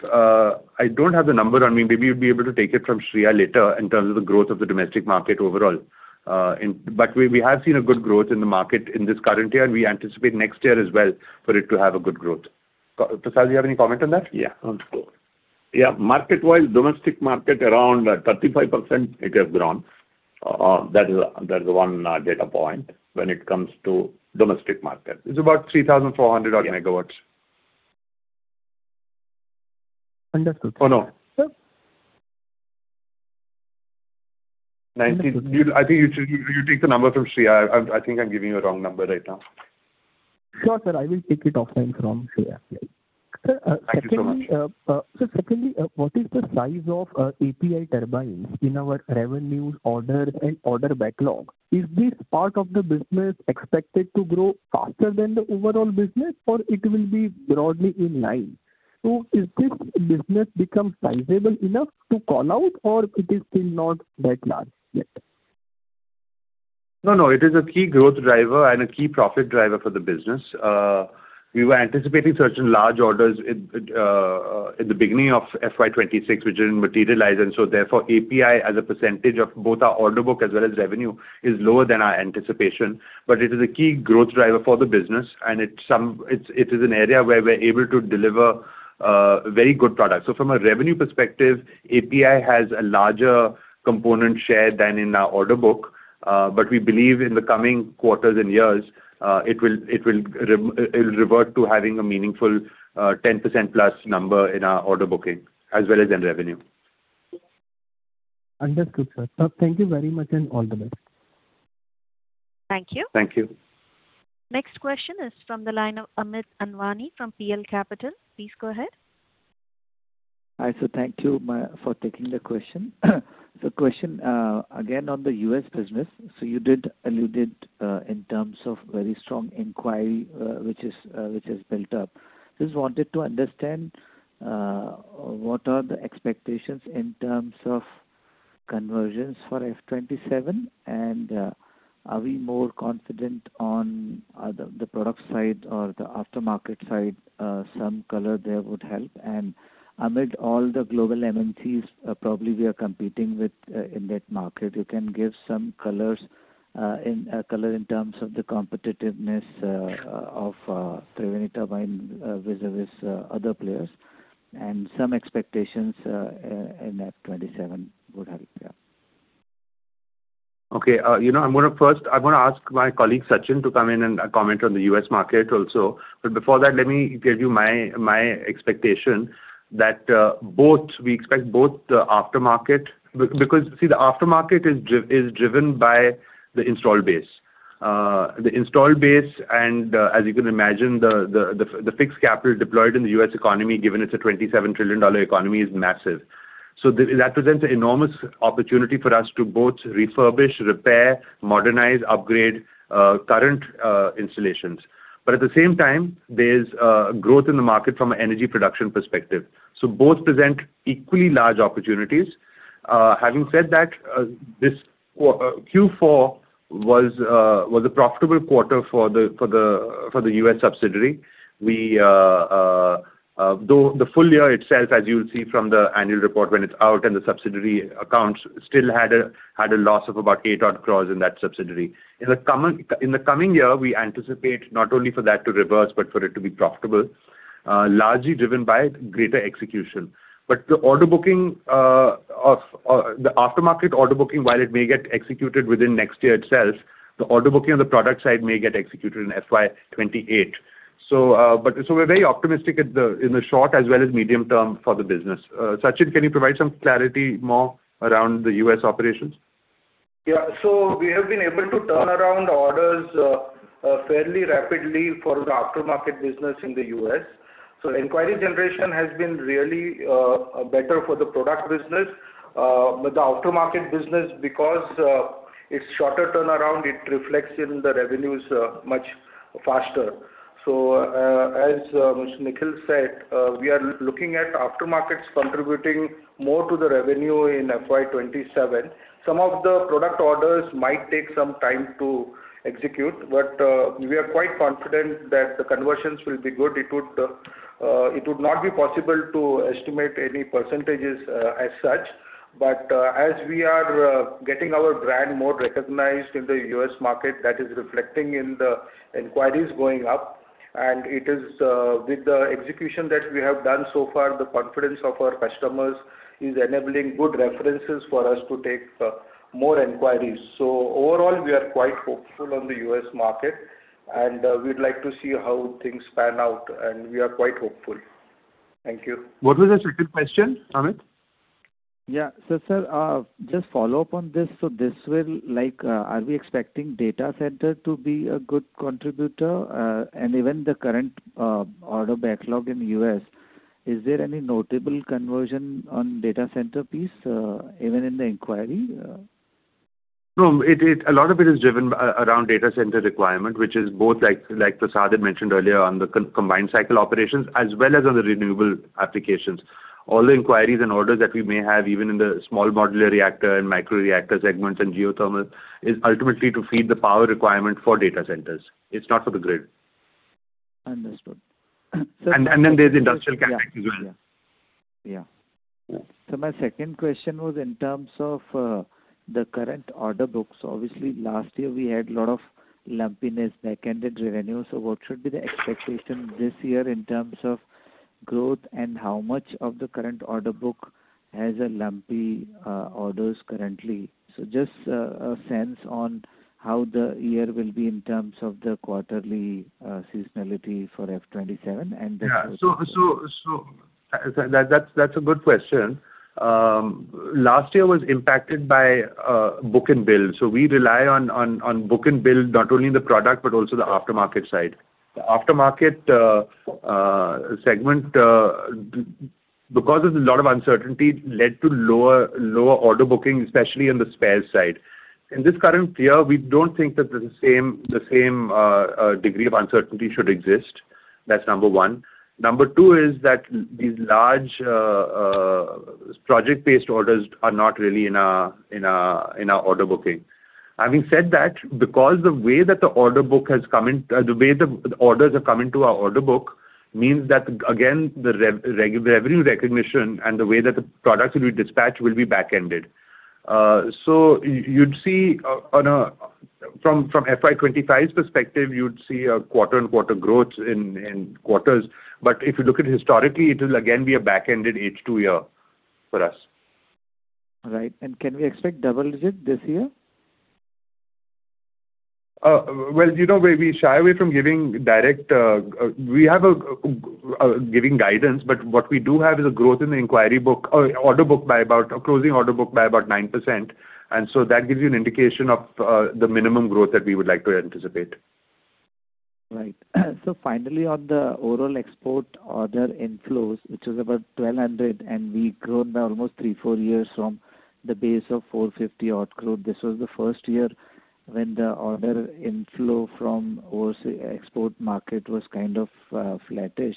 I don't have the number on me. Maybe you'd be able to take it from Shreya later in terms of the growth of the domestic market overall. We have seen a good growth in the market in this current year, and we anticipate next year as well for it to have a good growth. Prasad, you have any comment on that? Yeah. On score. Yeah. Market-wise, domestic market around 35% it has grown. That is, that is one data point when it comes to domestic market. It's about 3,400-odd MW. Understood, sir. Oh, no. Sir. I think you should take the number from Shreya. I think I'm giving you a wrong number right now. Sure, sir. I will take it offline from Shreya, yeah. Thank you so much. Sir, secondly, what is the size of API turbines in our revenues, orders, and order backlog? Is this part of the business expected to grow faster than the overall business, or it will be broadly in line? Is this business become sizable enough to call out, or it is still not that large yet? No, no, it is a key growth driver and a key profit driver for the business. We were anticipating certain large orders in the beginning of FY 2026, which didn't materialize. Therefore, API as a percentage of both our order book as well as revenue is lower than our anticipation. It is a key growth driver for the business, and it is an area where we're able to deliver very good product. From a revenue perspective, API has a larger component share than in our order book. We believe in the coming quarters and years, it will revert to having a meaningful 10%+ number in our order booking as well as in revenue. Understood, sir. Sir, thank you very much, and all the best. Thank you. Thank you. Next question is from the line of Amit Anwani from PL Capital. Please go ahead. Hi, sir. Thank you for taking the question. Question again on the U.S. business. You did allude it in terms of very strong inquiry, which has built up. Just wanted to understand what are the expectations in terms of conversions for FY 2027, and are we more confident on the product side or the aftermarket side? Some color there would help. Amid all the global MNCs, probably we are competing with in that market, you can give some colors in color in terms of the competitiveness of Triveni Turbine vis-a-vis other players, and some expectations in FY 2027 would help. Okay. you know, I'm gonna first I'm gonna ask my colleague, Sachin, to come in and comment on the U.S. market also. Before that, let me give you my expectation that both, we expect both the aftermarket because, see, the aftermarket is driven by the installed base. The installed base and, as you can imagine, the fixed capital deployed in the U.S. economy, given it's a $27 trillion economy, is massive. That presents an enormous opportunity for us to both refurbish, repair, modernize, upgrade, current installations. At the same time, there's growth in the market from an energy production perspective. Both present equally large opportunities. Having said that, this Q4 was a profitable quarter for the U.S. subsidiary. We, though the full year itself, as you'll see from the annual report when it's out and the subsidiary accounts still had a loss of about 8 odd crores in that subsidiary. In the coming year, we anticipate not only for that to reverse, but for it to be profitable, largely driven by greater execution. The order booking of the aftermarket order booking, while it may get executed within next year itself, the order booking on the product side may get executed in FY 2028. We're very optimistic in the short as well as medium term for the business. Sachin, can you provide some clarity more around the U.S. operations? We have been able to turn around orders fairly rapidly for the aftermarket business in the U.S. Inquiry generation has been really better for the product business. The aftermarket business, because it's shorter turnaround, it reflects in the revenues much faster. As Mr. Nikhil said, we are looking at aftermarkets contributing more to the revenue in FY 2027. Some of the product orders might take some time to execute, but we are quite confident that the conversions will be good. It would not be possible to estimate any percentages as such. But as we are getting our brand more recognized in the U.S. market, that is reflecting in the inquiries going up. It is with the execution that we have done so far, the confidence of our customers is enabling good references for us to take more inquiries. Overall, we are quite hopeful on the U.S. market, and we'd like to see how things pan out, and we are quite hopeful. Thank you. What was the second question, Amit? Yeah. Sir, just follow up on this. This will, like, are we expecting data center to be a good contributor? Even the current order backlog in U.S., is there any notable conversion on data center piece, even in the inquiry? No, it is driven around data center requirement, which is both like Prasad had mentioned earlier on the combined cycle operations as well as on the renewable applications. All the inquiries and orders that we may have, even in the small modular reactor and microreactor segments and geothermal, is ultimately to feed the power requirement for data centers. It's not for the grid. Understood. Then there's industrial capacity as well. Yeah. Yeah. Yeah. My second question was in terms of the current order books. Obviously, last year we had lot of lumpiness back ended revenue. What should be the expectation this year in terms of growth, and how much of the current order book has a lumpy orders currently? Just a sense on how the year will be in terms of the quarterly seasonality for FY 2027. Yeah. That's a good question. Last year was impacted by book-and-build. We rely on book-and-build, not only the product but also the aftermarket side. The aftermarket segment, because there's a lot of uncertainty led to lower order booking, especially in the spares side. In this current year, we don't think that the same degree of uncertainty should exist. That's number one. Number two is that these large project-based orders are not really in our order booking. Having said that, because the way that the order book has come in, the way the orders have come into our order book means that again, the revenue recognition and the way that the products will be dispatched will be backended. You'd see from FY 2025's perspective, you'd see a quarter-on-quarter growth in quarters. If you look at historically, it will again be a backended H2 year for us. Right. Can we expect double digit this year? Well, you know, we shy away from giving direct We have a giving guidance, but what we do have is a growth in the inquiry book or order book by about closing order book by about 9%. That gives you an indication of the minimum growth that we would like to anticipate. Right. Finally, on the overall export order inflows, which is about 1,200 crore, and we've grown by almost three, four years from the base of 450 odd crore. This was the first year when the order inflow from overseas export market was kind of flattish.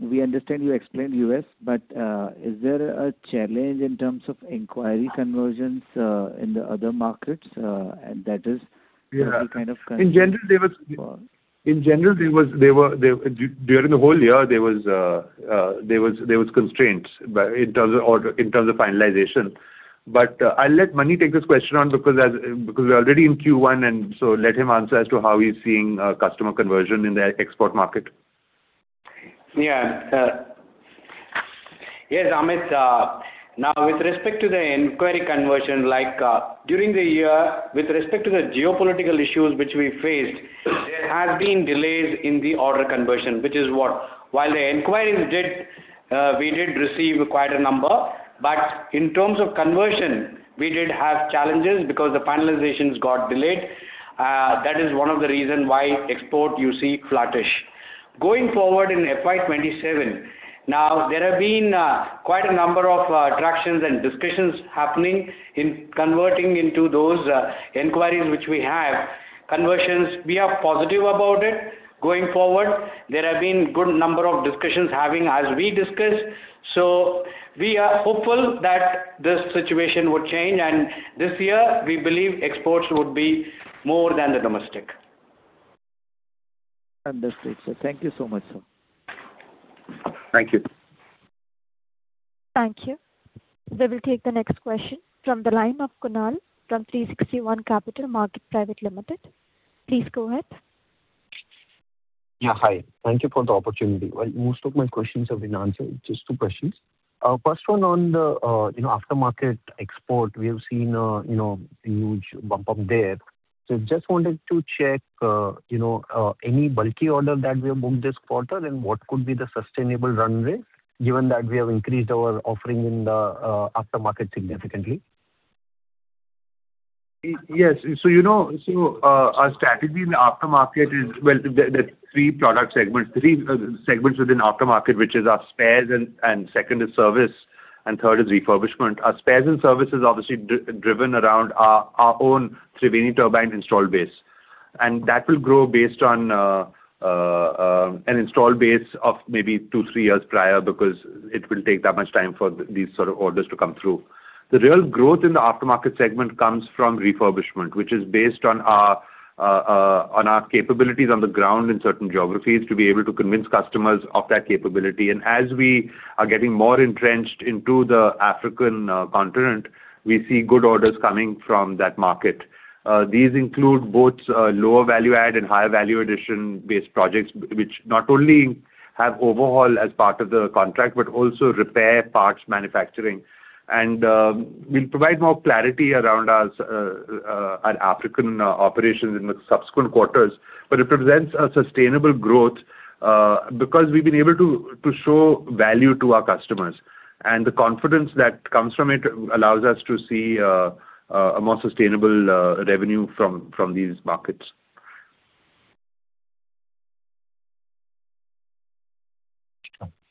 We understand you explained U.S., but is there a challenge in terms of inquiry conversions in the other markets? Yeah. -kind of- In general, there was- Go on. In general, there was, there were, during the whole year, there were constraints in terms of order, in terms of finalization. I'll let Mani take this question on because we're already in Q1, let him answer as to how he's seeing customer conversion in the export market. Yes, Amit. Now with respect to the inquiry conversion, during the year with respect to the geopolitical issues which we faced, there has been delays in the order conversion, which is what? While the inquiries did, we did receive quite a number, but in terms of conversion, we did have challenges because the finalizations got delayed. That is one of the reason why export you see flattish. Going forward in FY 2027, now there have been quite a number of attractions and discussions happening in converting into those inquiries which we have. Conversions, we are positive about it going forward. There have been good number of discussions having as we discussed. We are hopeful that this situation would change. This year we believe exports would be more than the domestic. Understood, sir. Thank you so much, sir. Thank you. Thank you. We will take the next question from the line of Kunal from 360 ONE Capital Market Private Limited. Please go ahead. Yeah, hi. Thank you for the opportunity. Well, most of my questions have been answered. Just two questions. First one on the, you know, aftermarket export. We have seen, you know, a huge bump up there. Just wanted to check, you know, any bulky order that we have booked this quarter and what could be the sustainable runway given that we have increased our offering in the aftermarket significantly. Yes. You know, our strategy in the aftermarket is, well, the three product segments within aftermarket, which is our spares and second is service, and third is refurbishment. Our spares and service is obviously driven around our own Triveni Turbine install base. That will grow based on an install base of maybe two, three years prior because it will take that much time for these sort of orders to come through. The real growth in the aftermarket segment comes from refurbishment, which is based on our capabilities on the ground in certain geographies to be able to convince customers of that capability. As we are getting more entrenched into the African continent, we see good orders coming from that market. These include both lower value-add and higher value addition based projects, which not only have overhaul as part of the contract, but also repair parts manufacturing. We'll provide more clarity around our African operations in the subsequent quarters. It represents a sustainable growth because we've been able to show value to our customers. The confidence that comes from it allows us to see a more sustainable revenue from these markets.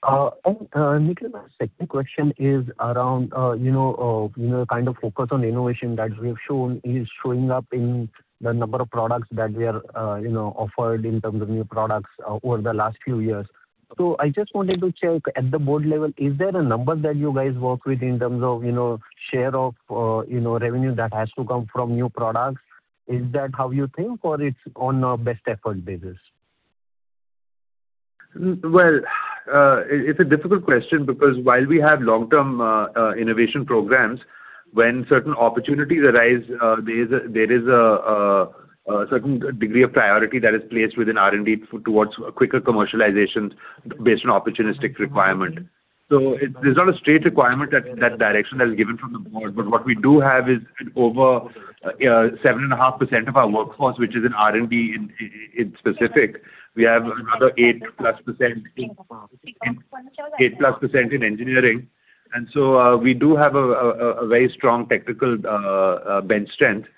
Nikhil, my second question is around, you know, you know, kind of focus on innovation that we have shown is showing up in the number of products that we are, you know, offered in terms of new products, over the last few years. I just wanted to check at the board level, is there a number that you guys work with in terms of, you know, share of, you know, revenue that has to come from new products? Is that how you think or it's on a best effort basis? Well, it's a difficult question because while we have long-term innovation programs, when certain opportunities arise, there is a certain degree of priority that is placed within R&D towards quicker commercialization based on opportunistic requirement. There's not a straight requirement that direction has given from the board. What we do have is over 7.5% of our workforce, which is in R&D in specific. We have another 8%+ in engineering. We do have a very strong technical bench strength.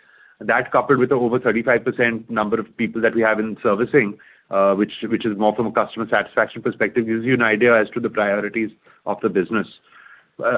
That coupled with over 35% number of people that we have in servicing, which is more from a customer satisfaction perspective, gives you an idea as to the priorities of the business.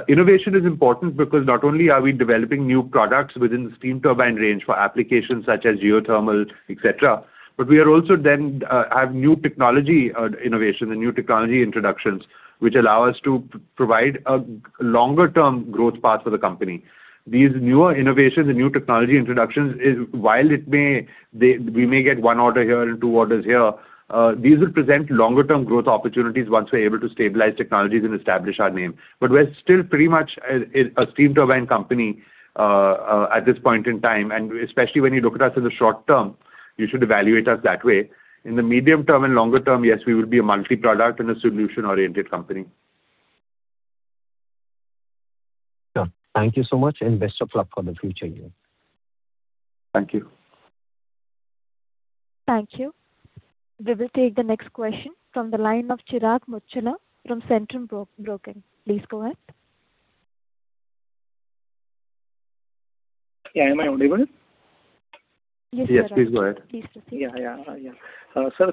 Innovation is important because not only are we developing new products within the steam turbine range for applications such as geothermal, et cetera, we are also then, have new technology, innovation and new technology introductions, which allow us to provide a longer-term growth path for the company. These newer innovations and new technology introductions while we may get one order here and 2 orders here, these will present longer-term growth opportunities once we're able to stabilize technologies and establish our name. We're still pretty much a steam turbine company at this point in time, and especially when you look at us in the short term, you should evaluate us that way. In the medium term and longer term, yes, we will be a multi-product and a solution-oriented company. Sure. Thank you so much, and best of luck for the future year. Thank you. Thank you. We will take the next question from the line of Chirag Muchhala from Centrum Broking Limited. Please go ahead. Yeah. Am I audible? Yes, you are. Yes, please go ahead. Please proceed. Yeah. Yeah. Yeah. Sir,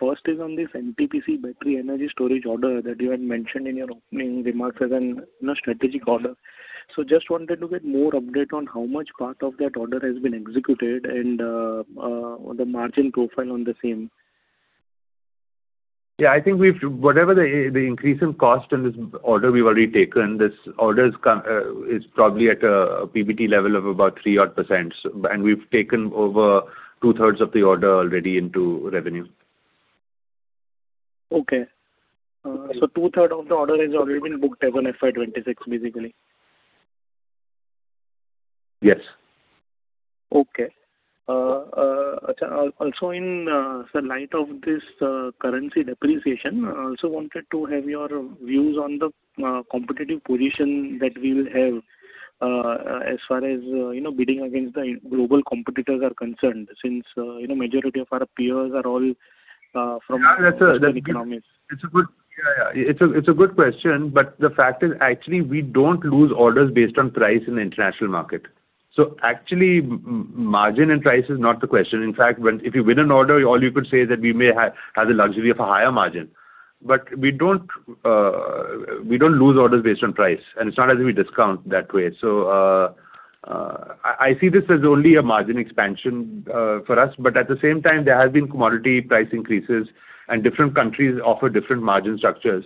first is on this NTPC battery energy storage order that you had mentioned in your opening remarks as an, you know, strategic order. Just wanted to get more update on how much part of that order has been executed and the margin profile on the same. Yeah, I think whatever the increase in cost in this order we've already taken, this order is probably at a PBT level of about 3-odd percent. We've taken over two-thirds of the order already into revenue. Okay. Two-third of the order has already been booked as on FY 2026, basically. Yes. Okay. Also in, sir, light of this currency depreciation, I also wanted to have your views on the competitive position that we will have, as far as, you know, bidding against the global competitors are concerned- Yeah, that's a good. -emerging economies. Yeah, yeah. It's a good question. The fact is, actually, we don't lose orders based on price in the international market. Actually, margin and price is not the question. In fact, if you win an order, all you could say is that we may have the luxury of a higher margin. We don't lose orders based on price, and it's not as if we discount that way. I see this as only a margin expansion for us. At the same time, there have been commodity price increases and different countries offer different margin structures.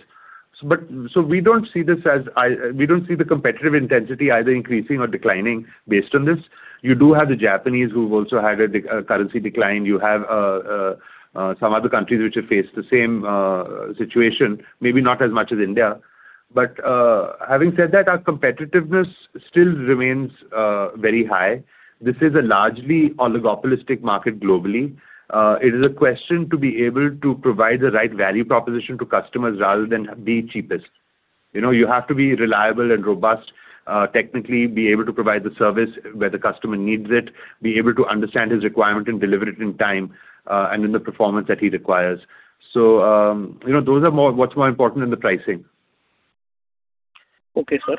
We don't see the competitive intensity either increasing or declining based on this. You do have the Japanese who've also had a currency decline. You have some other countries which have faced the same situation, maybe not as much as India. Having said that, our competitiveness still remains very high. This is a largely oligopolistic market globally. It is a question to be able to provide the right value proposition to customers rather than be cheapest. You know, you have to be reliable and robust, technically be able to provide the service where the customer needs it, be able to understand his requirement and deliver it in time, and in the performance that he requires. You know, those are more what's more important than the pricing. Okay, sir.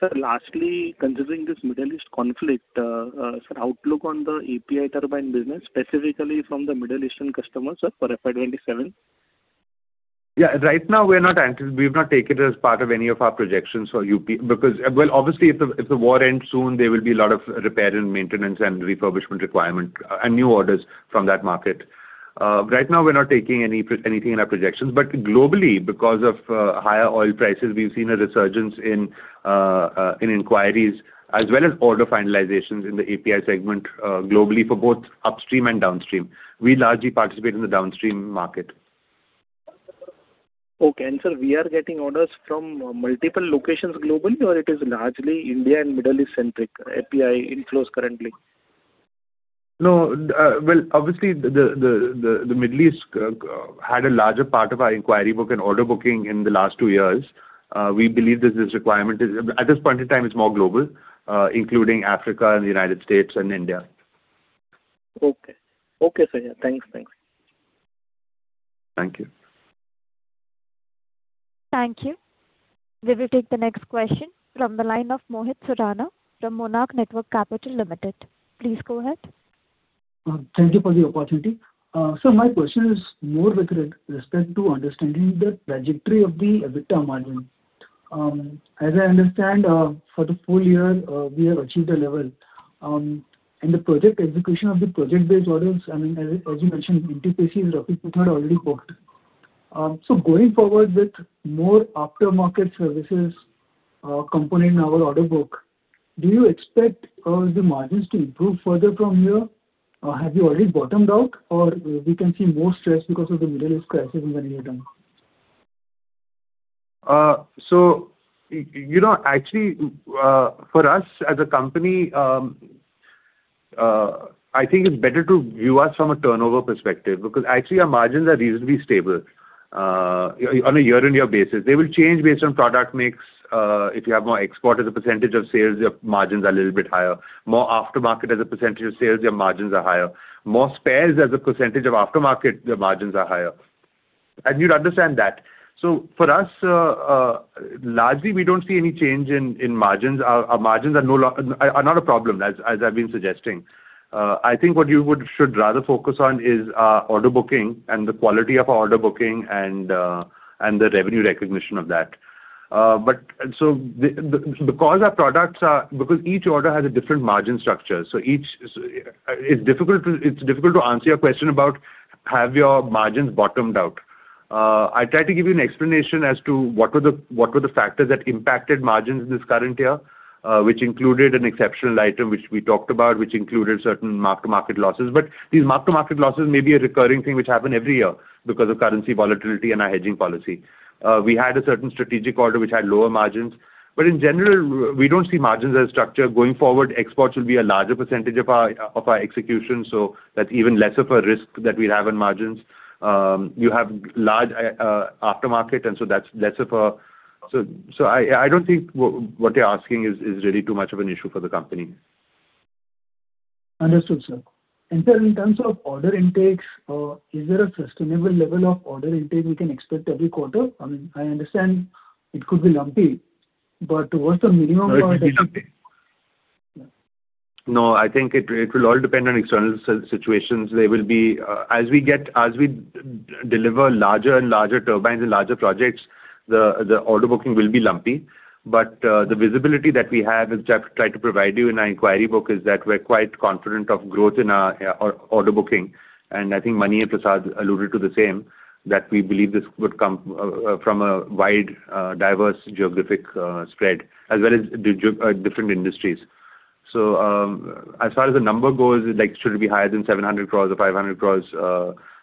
Sir, lastly, considering this Middle East conflict, sir, outlook on the API turbine business, specifically from the Middle Eastern customers, sir, for FY 2027? Right now, we've not taken it as part of any of our projections for because, well, obviously, if the war ends soon, there will be a lot of repair and maintenance and refurbishment requirement and new orders from that market. Right now we're not taking anything in our projections. Globally, because of higher oil prices, we've seen a resurgence in inquiries as well as order finalizations in the API segment globally for both upstream and downstream. We largely participate in the downstream market. Okay. Sir, we are getting orders from multiple locations globally, or it is largely India and Middle East centric, API inflows currently? No. Well, obviously, the Middle East had a larger part of our inquiry book and order booking in the last two years. We believe that at this point in time, it's more global, including Africa and the U.S. and India. Okay. Okay, sir. Yeah. Thanks. Thanks. Thank you. Thank you. We will take the next question from the line of Mohit Surana from Monarch Networth Capital Limited. Please go ahead. Thank you for the opportunity. Sir, my question is more with respect to understanding the trajectory of the EBITDA margin. As I understand, for the full year, we have achieved a level, and the project execution of the project-based orders, I mean, as you mentioned, NTPC is roughly two-thirds already booked. Going forward with more aftermarket services, component in our order book, do you expect the margins to improve further from here? Have you already bottomed out or we can see more stress because of the Middle East crisis in the near term? You know, actually, for us as a company, I think it's better to view us from a turnover perspective because actually our margins are reasonably stable. On a year-on-year basis. They will change based on product mix. If you have more export as a percentage of sales, your margins are a little bit higher. More aftermarket as a percentage of sales, your margins are higher. More spares as a percentage of aftermarket, your margins are higher. You'd understand that. For us, largely, we don't see any change in margins. Our margins are not a problem as I've been suggesting. I think what you should rather focus on is our order booking and the quality of our order booking and the revenue recognition of that. Because our products are because each order has a different margin structure, so each is. It's difficult to answer your question about have your margins bottomed out. I tried to give you an explanation as to what were the factors that impacted margins in this current year, which included an exceptional item which we talked about, which included certain mark-to-market losses. These mark-to-market losses may be a recurring thing which happen every year because of currency volatility and our hedging policy. We had a certain strategic order which had lower margins. In general, we don't see margins as a structure. Going forward, exports will be a larger percentage of our execution, so that's even less of a risk that we have in margins. You have large aftermarket. I don't think what you're asking is really too much of an issue for the company. Understood, sir. Sir, in terms of order intakes, is there a sustainable level of order intake we can expect every quarter? I mean, I understand it could be lumpy. No, it'll be lumpy. Yeah. No, I think it will all depend on external situations. There will be, as we deliver larger and larger turbines and larger projects, the order booking will be lumpy. The visibility that we have, as I've tried to provide you in our inquiry book, is that we're quite confident of growth in our order booking. I think Mani and Prasad alluded to the same, that we believe this would come from a wide, diverse geographic spread as well as different industries. As far as the number goes, like should it be higher than 700 crores or 500 crores?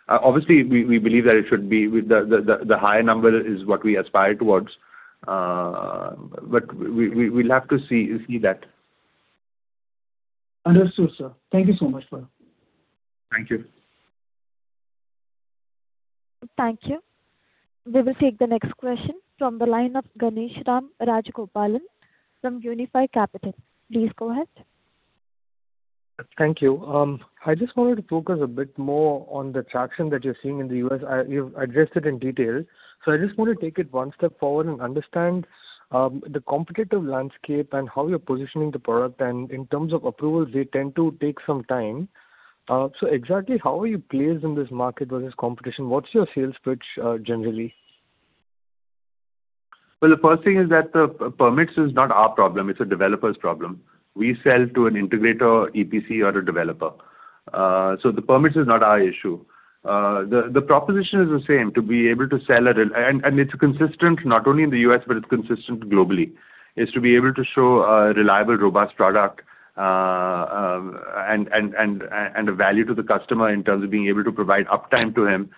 Obviously we believe that it should be with the higher number is what we aspire towards. We'll have to see that. Understood, sir. Thank you so much for that. Thank you. Thank you. We will take the next question from the line of Ganeshram Rajagopalan from Unifi Capital. Please go ahead. Thank you. I just wanted to focus a bit more on the traction that you're seeing in the U.S. You've addressed it in detail. I just want to take it one step forward and understand the competitive landscape and how you're positioning the product. In terms of approvals, they tend to take some time. Exactly how are you placed in this market versus competition? What's your sales pitch generally? Well, the first thing is that the permits is not our problem, it's a developer's problem. We sell to an integrator, EPC or a developer. The permits is not our issue. The proposition is the same: to be able to sell at a it's consistent not only in the U.S., but it's consistent globally, is to be able to show a reliable, robust product, and a value to the customer in terms of being able to provide uptime to him,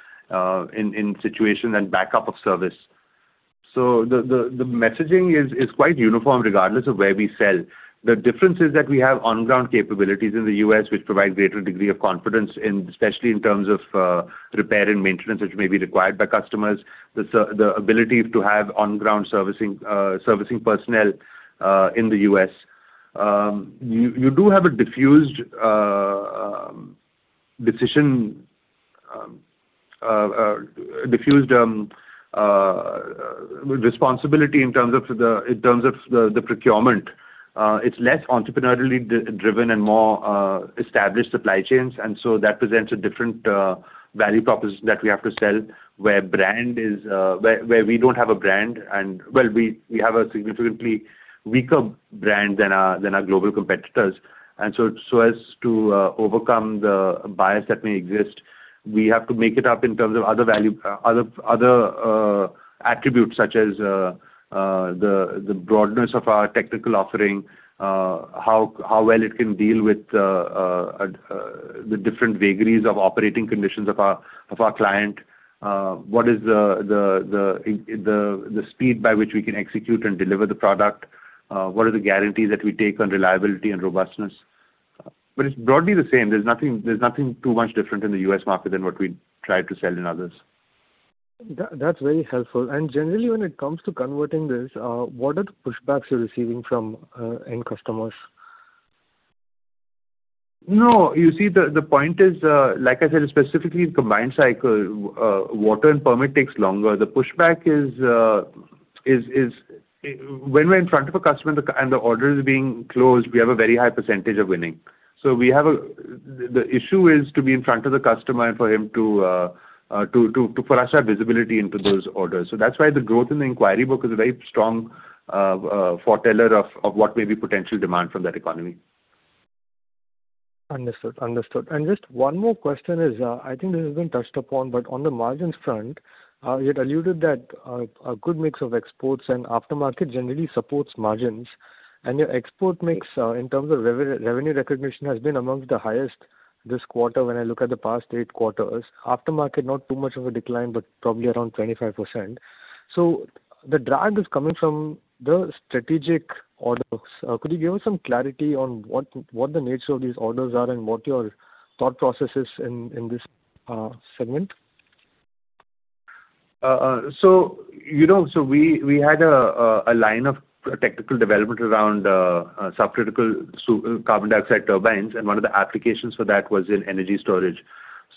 in situation and backup of service. The messaging is quite uniform, regardless of where we sell. The difference is that we have on-ground capabilities in the U.S. which provide greater degree of confidence in, especially in terms of repair and maintenance, which may be required by customers. The ability to have on-ground servicing personnel in the U.S. You do have a diffused decision, diffused responsibility in terms of the procurement. It's less entrepreneurially driven and more established supply chains, and so that presents a different value proposition that we have to sell, where brand is, where we don't have a brand and Well, we have a significantly weaker brand than our global competitors. So as to overcome the bias that may exist, we have to make it up in terms of other value, other attributes such as the broadness of our technical offering, how well it can deal with the different vagaries of operating conditions of our client. What is the speed by which we can execute and deliver the product? What are the guarantees that we take on reliability and robustness? It's broadly the same. There's nothing too much different in the U.S. market than what we try to sell in others. That's very helpful. Generally, when it comes to converting this, what are the pushbacks you're receiving from end customers? No. You see, the point is, like I said, specifically in combined cycle, water and permit takes longer. The pushback is when we're in front of a customer and the, and the order is being closed, we have a very high percentage of winning. The issue is to be in front of the customer and for him to furnish our visibility into those orders. That's why the growth in the inquiry book is a very strong foreteller of what may be potential demand from that economy. Understood, understood. Just one more question is, I think this has been touched upon, but on the margins front, you had alluded that a good mix of exports and aftermarket generally supports margins. Your export mix in terms of revenue recognition has been amongst the highest this quarter when I look at the past eight quarters. Aftermarket, not too much of a decline, but probably around 25%. The drag is coming from the strategic orders. Could you give us some clarity on what the nature of these orders are and what your thought process is in this segment? You know, we had a line of technical development around subcritical carbon dioxide turbines, and one of the applications for that was in energy storage.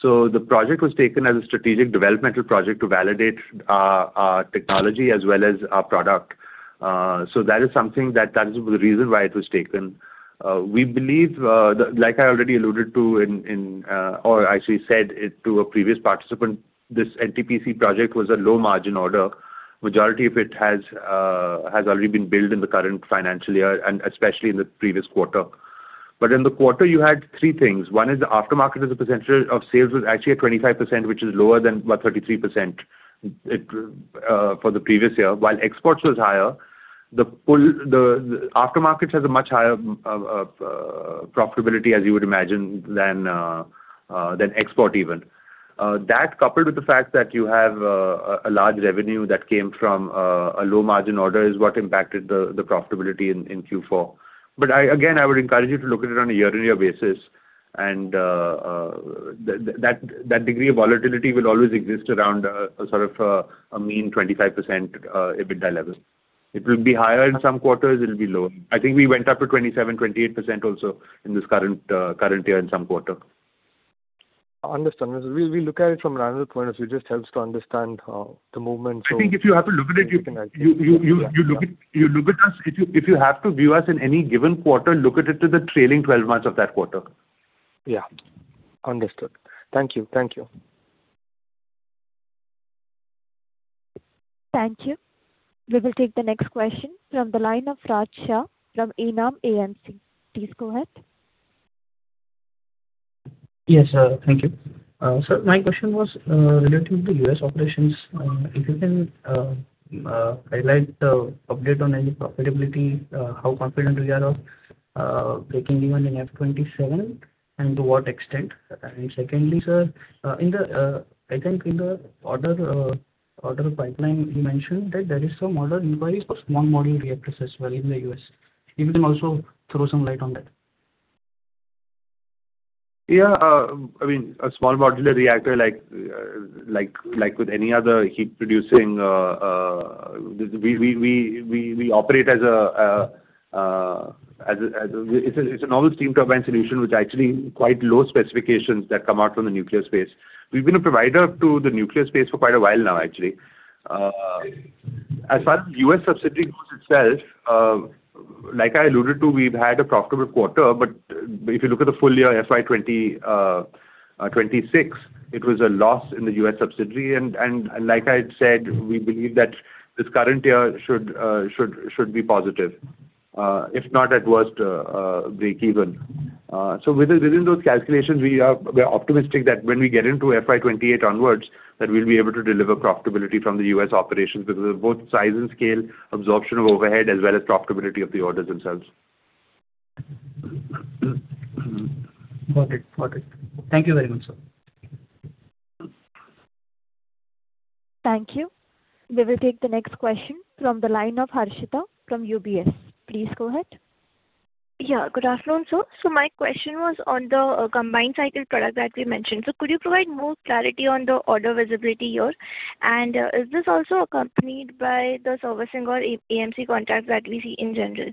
The project was taken as a strategic developmental project to validate our technology as well as our product. That is something that is the reason why it was taken. We believe, like I already alluded to or actually said it to a previous participant, this NTPC project was a low margin order. Majority of it has already been billed in the current financial year and especially in the previous quarter. In the quarter you had three things. One is the aftermarket as a percentage of sales was actually at 25%, which is lower than 33% it for the previous year. While exports was higher, the pull, the aftermarket has a much higher profitability as you would imagine than export even. That coupled with the fact that you have a large revenue that came from a low margin order is what impacted the profitability in Q4. I, again, I would encourage you to look at it on a year-on-year basis and that degree of volatility will always exist around sort of a mean 25% EBITDA level. It will be higher in some quarters, it'll be lower. I think we went up to 27%, 28% also in this current year in some quarter. Understood. We look at it from random points. It just helps to understand the movement. I think if you have to look at it, you look at, you look at us. If you have to view us in any given quarter, look at it to the trailing 12 months of that quarter. Yeah. Understood. Thank you. Thank you. Thank you. We will take the next question from the line of Raj Shah from ENAM AMC. Please go ahead. Yes, thank you. My question was relating to U.S. operations. If you can highlight the update on any profitability, how confident we are of breaking even in FY 2027 and to what extent? Secondly, sir, in the I think in the order pipeline, you mentioned that there is some order inquiries for small modular reactors as well in the U.S. If you can also throw some light on that. I mean, a small modular reactor like with any other heat producing, we operate as a normal steam turbine solution, which actually quite low specifications that come out from the nuclear space. We've been a provider to the nuclear space for quite a while now, actually. As far as U.S. subsidiary goes itself, like I alluded to, we've had a profitable quarter. If you look at the full year, FY 2026, it was a loss in the U.S. subsidiary. Like I said, we believe that this current year should be positive. If not, at worst, breakeven. Within those calculations, we are optimistic that when we get into FY 2028 onwards, that we'll be able to deliver profitability from the U.S. operations because of both size and scale, absorption of overhead, as well as profitability of the orders themselves. Got it. Got it. Thank you very much, sir. Thank you. We will take the next question from the line of Harshita from UBS. Please go ahead. Yeah, good afternoon, sir. My question was on the combined cycle product that we mentioned. Could you provide more clarity on the order visibility here? Is this also accompanied by the servicing or AMC contracts that we see in general?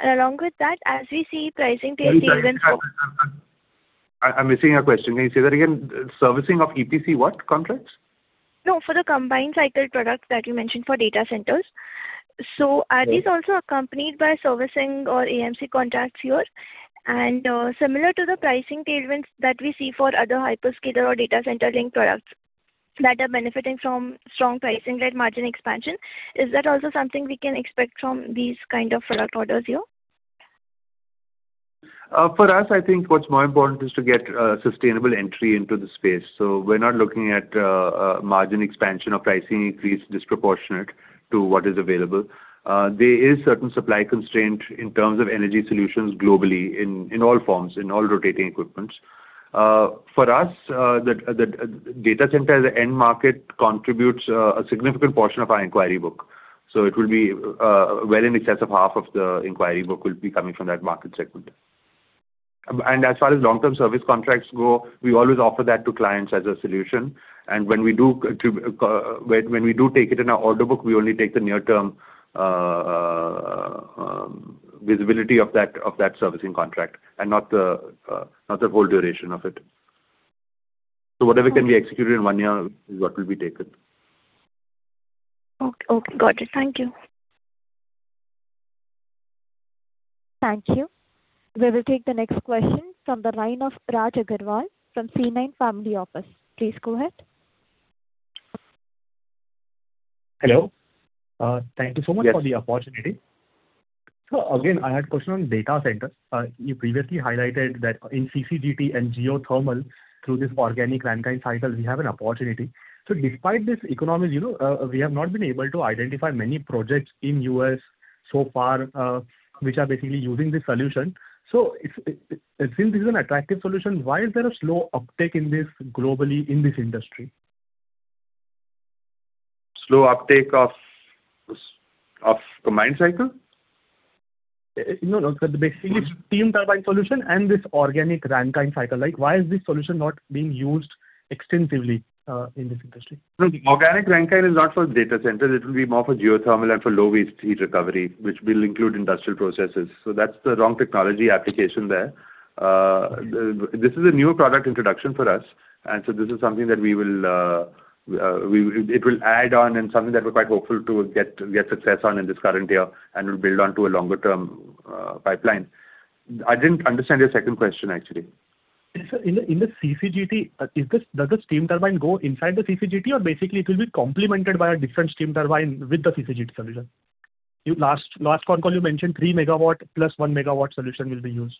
Along with that, as we see pricing tailwinds- I'm missing your question. Can you say that again? Servicing of EPC what contracts? For the combined cycle product that you mentioned for data centers. Are these also accompanied by servicing or AMC contracts here? Similar to the pricing tailwinds that we see for other hyperscaler or data center linked products that are benefiting from strong pricing-led margin expansion, is that also something we can expect from these kind of product orders here? For us, I think what's more important is to get sustainable entry into the space. We're not looking at margin expansion or pricing increase disproportionate to what is available. There is certain supply constraint in terms of energy solutions globally in all forms, in all rotating equipment. For us, the data center as an end market contributes a significant portion of our inquiry book. It will be well in excess of half of the inquiry book will be coming from that market segment. As far as long-term service contracts go, we always offer that to clients as a solution. When we do take it in our order book, we only take the near term visibility of that servicing contract and not the whole duration of it. Whatever can be executed in one year is what will be taken. Ok, okay. Got it. Thank you. Thank you. We will take the next question from the line of Raj Aggarwal from C9 Family Office. Please go ahead. Hello. Thank you so much for the opportunity. I had a question on data center. You previously highlighted that in CCGT and geothermal through this Organic Rankine Cycle, we have an opportunity. Despite this economic, you know, we have not been able to identify many projects in U.S. so far, which are basically using this solution. Since this is an attractive solution, why is there a slow uptake in this globally in this industry? Slow uptake of combined cycle? No, no. Basically, steam turbine solution and this Organic Rankine Cycle, like, why is this solution not being used extensively in this industry? Organic Rankine is not for data centers. It will be more for geothermal and for low waste heat recovery, which will include industrial processes. That's the wrong technology application there. This is a new product introduction for us. This is something that we will, it will add on and something that we're quite hopeful to get success on in this current year and will build on to a longer-term pipeline. I didn't understand your second question, actually. Sir, in the CCGT, does the steam turbine go inside the CCGT or basically it will be complemented by a different steam turbine with the CCGT solution? You last con call you mentioned 3 MW plus 1 MW solution will be used.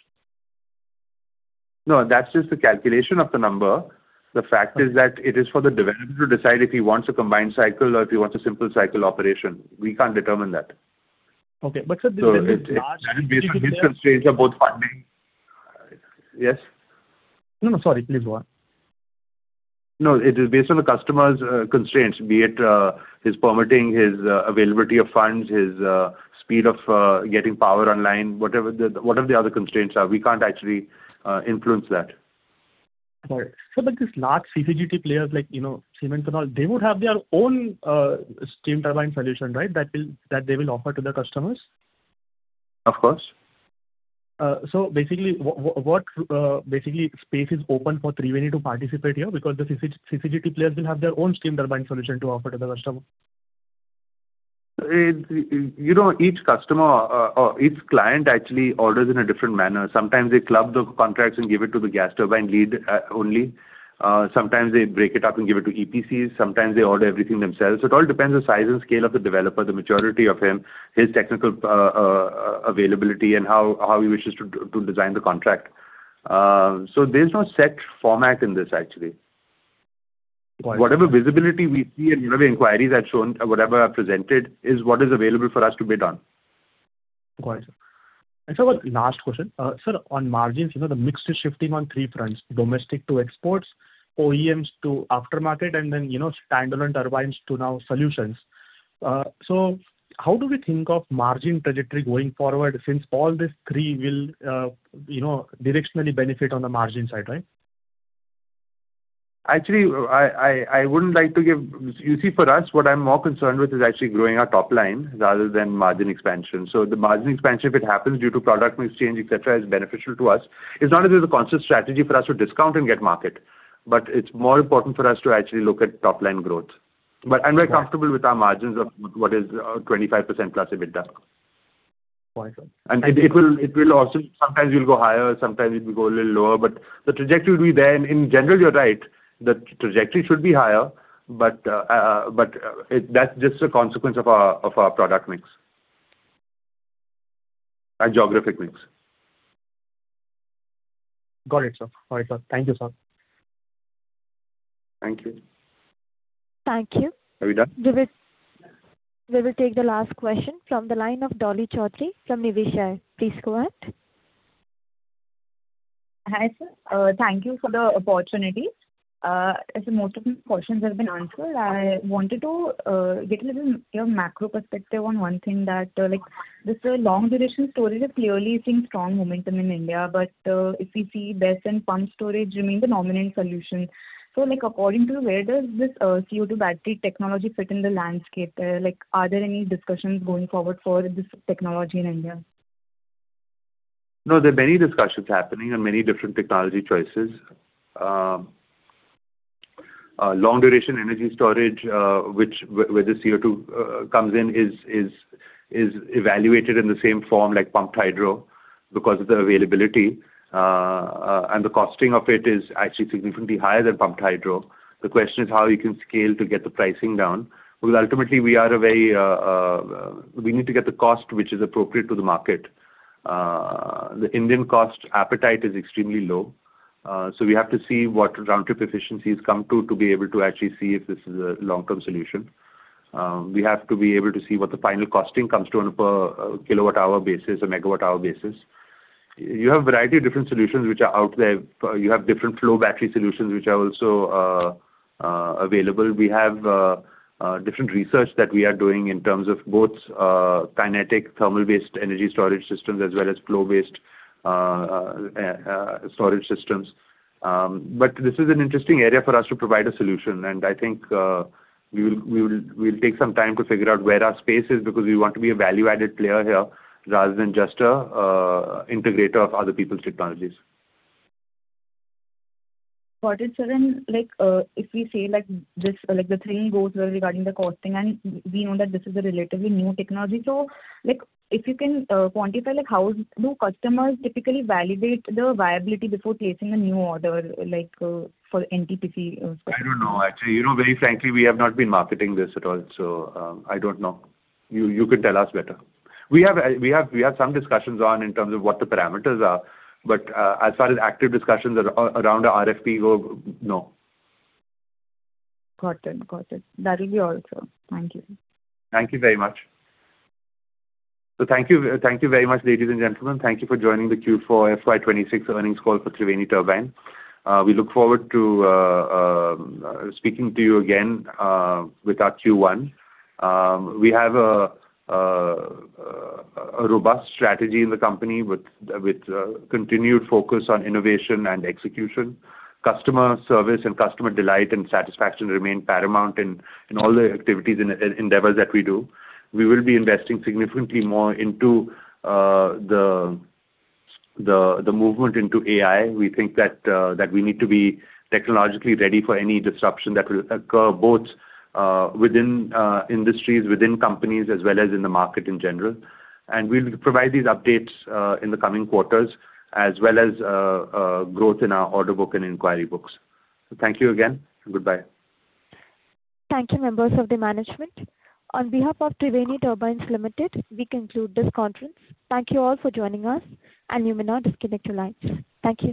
No, that's just the calculation of the number. The fact is that it is for the developer to decide if he wants a combined cycle or if he wants a simple cycle operation. We can't determine that. Okay. Sir, with this large CCGT players- That is based on his constraints of both funding, Yes? No, no. Sorry. Please go on. No, it is based on the customer's constraints, be it his permitting, his availability of funds, his speed of getting power online, whatever the other constraints are, we can't actually influence that. All right. These large CCGT players like, you know, cement and all, they would have their own steam turbine solution, right? That they will offer to their customers. Of course. Basically, what basically space is open for Triveni to participate here because the CCGT players will have their own steam turbine solution to offer to their customer. It's, you know, each customer or each client actually orders in a different manner. Sometimes they club the contracts and give it to the gas turbine lead only. Sometimes they break it up and give it to EPCs. Sometimes they order everything themselves. It all depends on size and scale of the developer, the maturity of him, his technical availability and how he wishes to design the contract. There's no set format in this actually. Got it. Whatever visibility we see and whatever inquiries I've shown, whatever I've presented is what is available for us to bid on. Got it. Sir, one last question. Sir, on margins, you know, the mix is shifting on three fronts: domestic to exports, OEMs to aftermarket, and then, you know, standalone turbines to now solutions. How do we think of margin trajectory going forward since all these three will, you know, directionally benefit on the margin side, right? Actually, I wouldn't like to give. You see, for us, what I'm more concerned with is actually growing our top line rather than margin expansion. The margin expansion, if it happens due to product mix change, et cetera, is beneficial to us. It's not as if it's a conscious strategy for us to discount and get market, but it's more important for us to actually look at top line growth. We're comfortable with our margins of what is 25%+ EBITDA. Got it. It will also sometimes we'll go higher, sometimes it will go a little lower, but the trajectory will be there. In general, you're right, the trajectory should be higher. That's just a consequence of our product mix. Geographic mix. Got it, sir. Got it, sir. Thank you, sir. Thank you. Thank you. Are we done? We will take the last question from the line of Dolly Choudhary from Niveshaay. Please go ahead. Hi, sir. Thank you for the opportunity. As most of the questions have been answered, I wanted to get a little your macro perspective on one thing that, like this long duration storage is clearly seeing strong momentum in India, but, if we see best and pump storage remain the dominant solution. According to where does this CO₂ battery technology fit in the landscape? Like are there any discussions going forward for this technology in India? No, there are many discussions happening and many different technology choices. long duration energy storage, which where the CO2 comes in is evaluated in the same form like pumped hydro because of the availability. The costing of it is actually significantly higher than pumped hydro. The question is how you can scale to get the pricing down. Ultimately, we are a very, we need to get the cost which is appropriate to the market. The Indian cost appetite is extremely low. We have to see what round trip efficiencies come to be able to actually see if this is a long-term solution. We have to be able to see what the final costing comes to on a per kilowatt-hour basis, a megawatt-hour basis. You have a variety of different solutions which are out there. You have different flow battery solutions which are also available. We have different research that we are doing in terms of both kinetic thermal-based energy storage systems as well as flow-based storage systems. This is an interesting area for us to provide a solution, and I think, we'll take some time to figure out where our space is because we want to be a value-added player here rather than just a integrator of other people's technologies. Got it, sir. Like, if we say like this, like the training goes well regarding the costing and we know that this is a relatively new technology. Like if you can quantify like how do customers typically validate the viability before placing a new order, like for NTPC. I don't know. Actually, you know, very frankly, we have not been marketing this at all. I don't know. You could tell us better. We have some discussions on in terms of what the parameters are. As far as active discussions around our RFP go, no. Got it. Got it. That will be all, sir. Thank you. Thank you very much. Thank you very much, ladies and gentlemen. Thank you for joining the Q4 FY 2026 earnings call for Triveni Turbine. We look forward to speaking to you again with our Q1. We have a robust strategy in the company with continued focus on innovation and execution. Customer service and customer delight and satisfaction remain paramount in all the activities and endeavors that we do. We will be investing significantly more into the movement into AI. We think that we need to be technologically ready for any disruption that will occur both within industries, within companies, as well as in the market in general. We'll provide these updates in the coming quarters, as well as growth in our order book and inquiry books. Thank you again, and goodbye. Thank you, members of the management. On behalf of Triveni Turbine Limited, we conclude this conference. Thank you all for joining us, and you may now disconnect your lines. Thank you.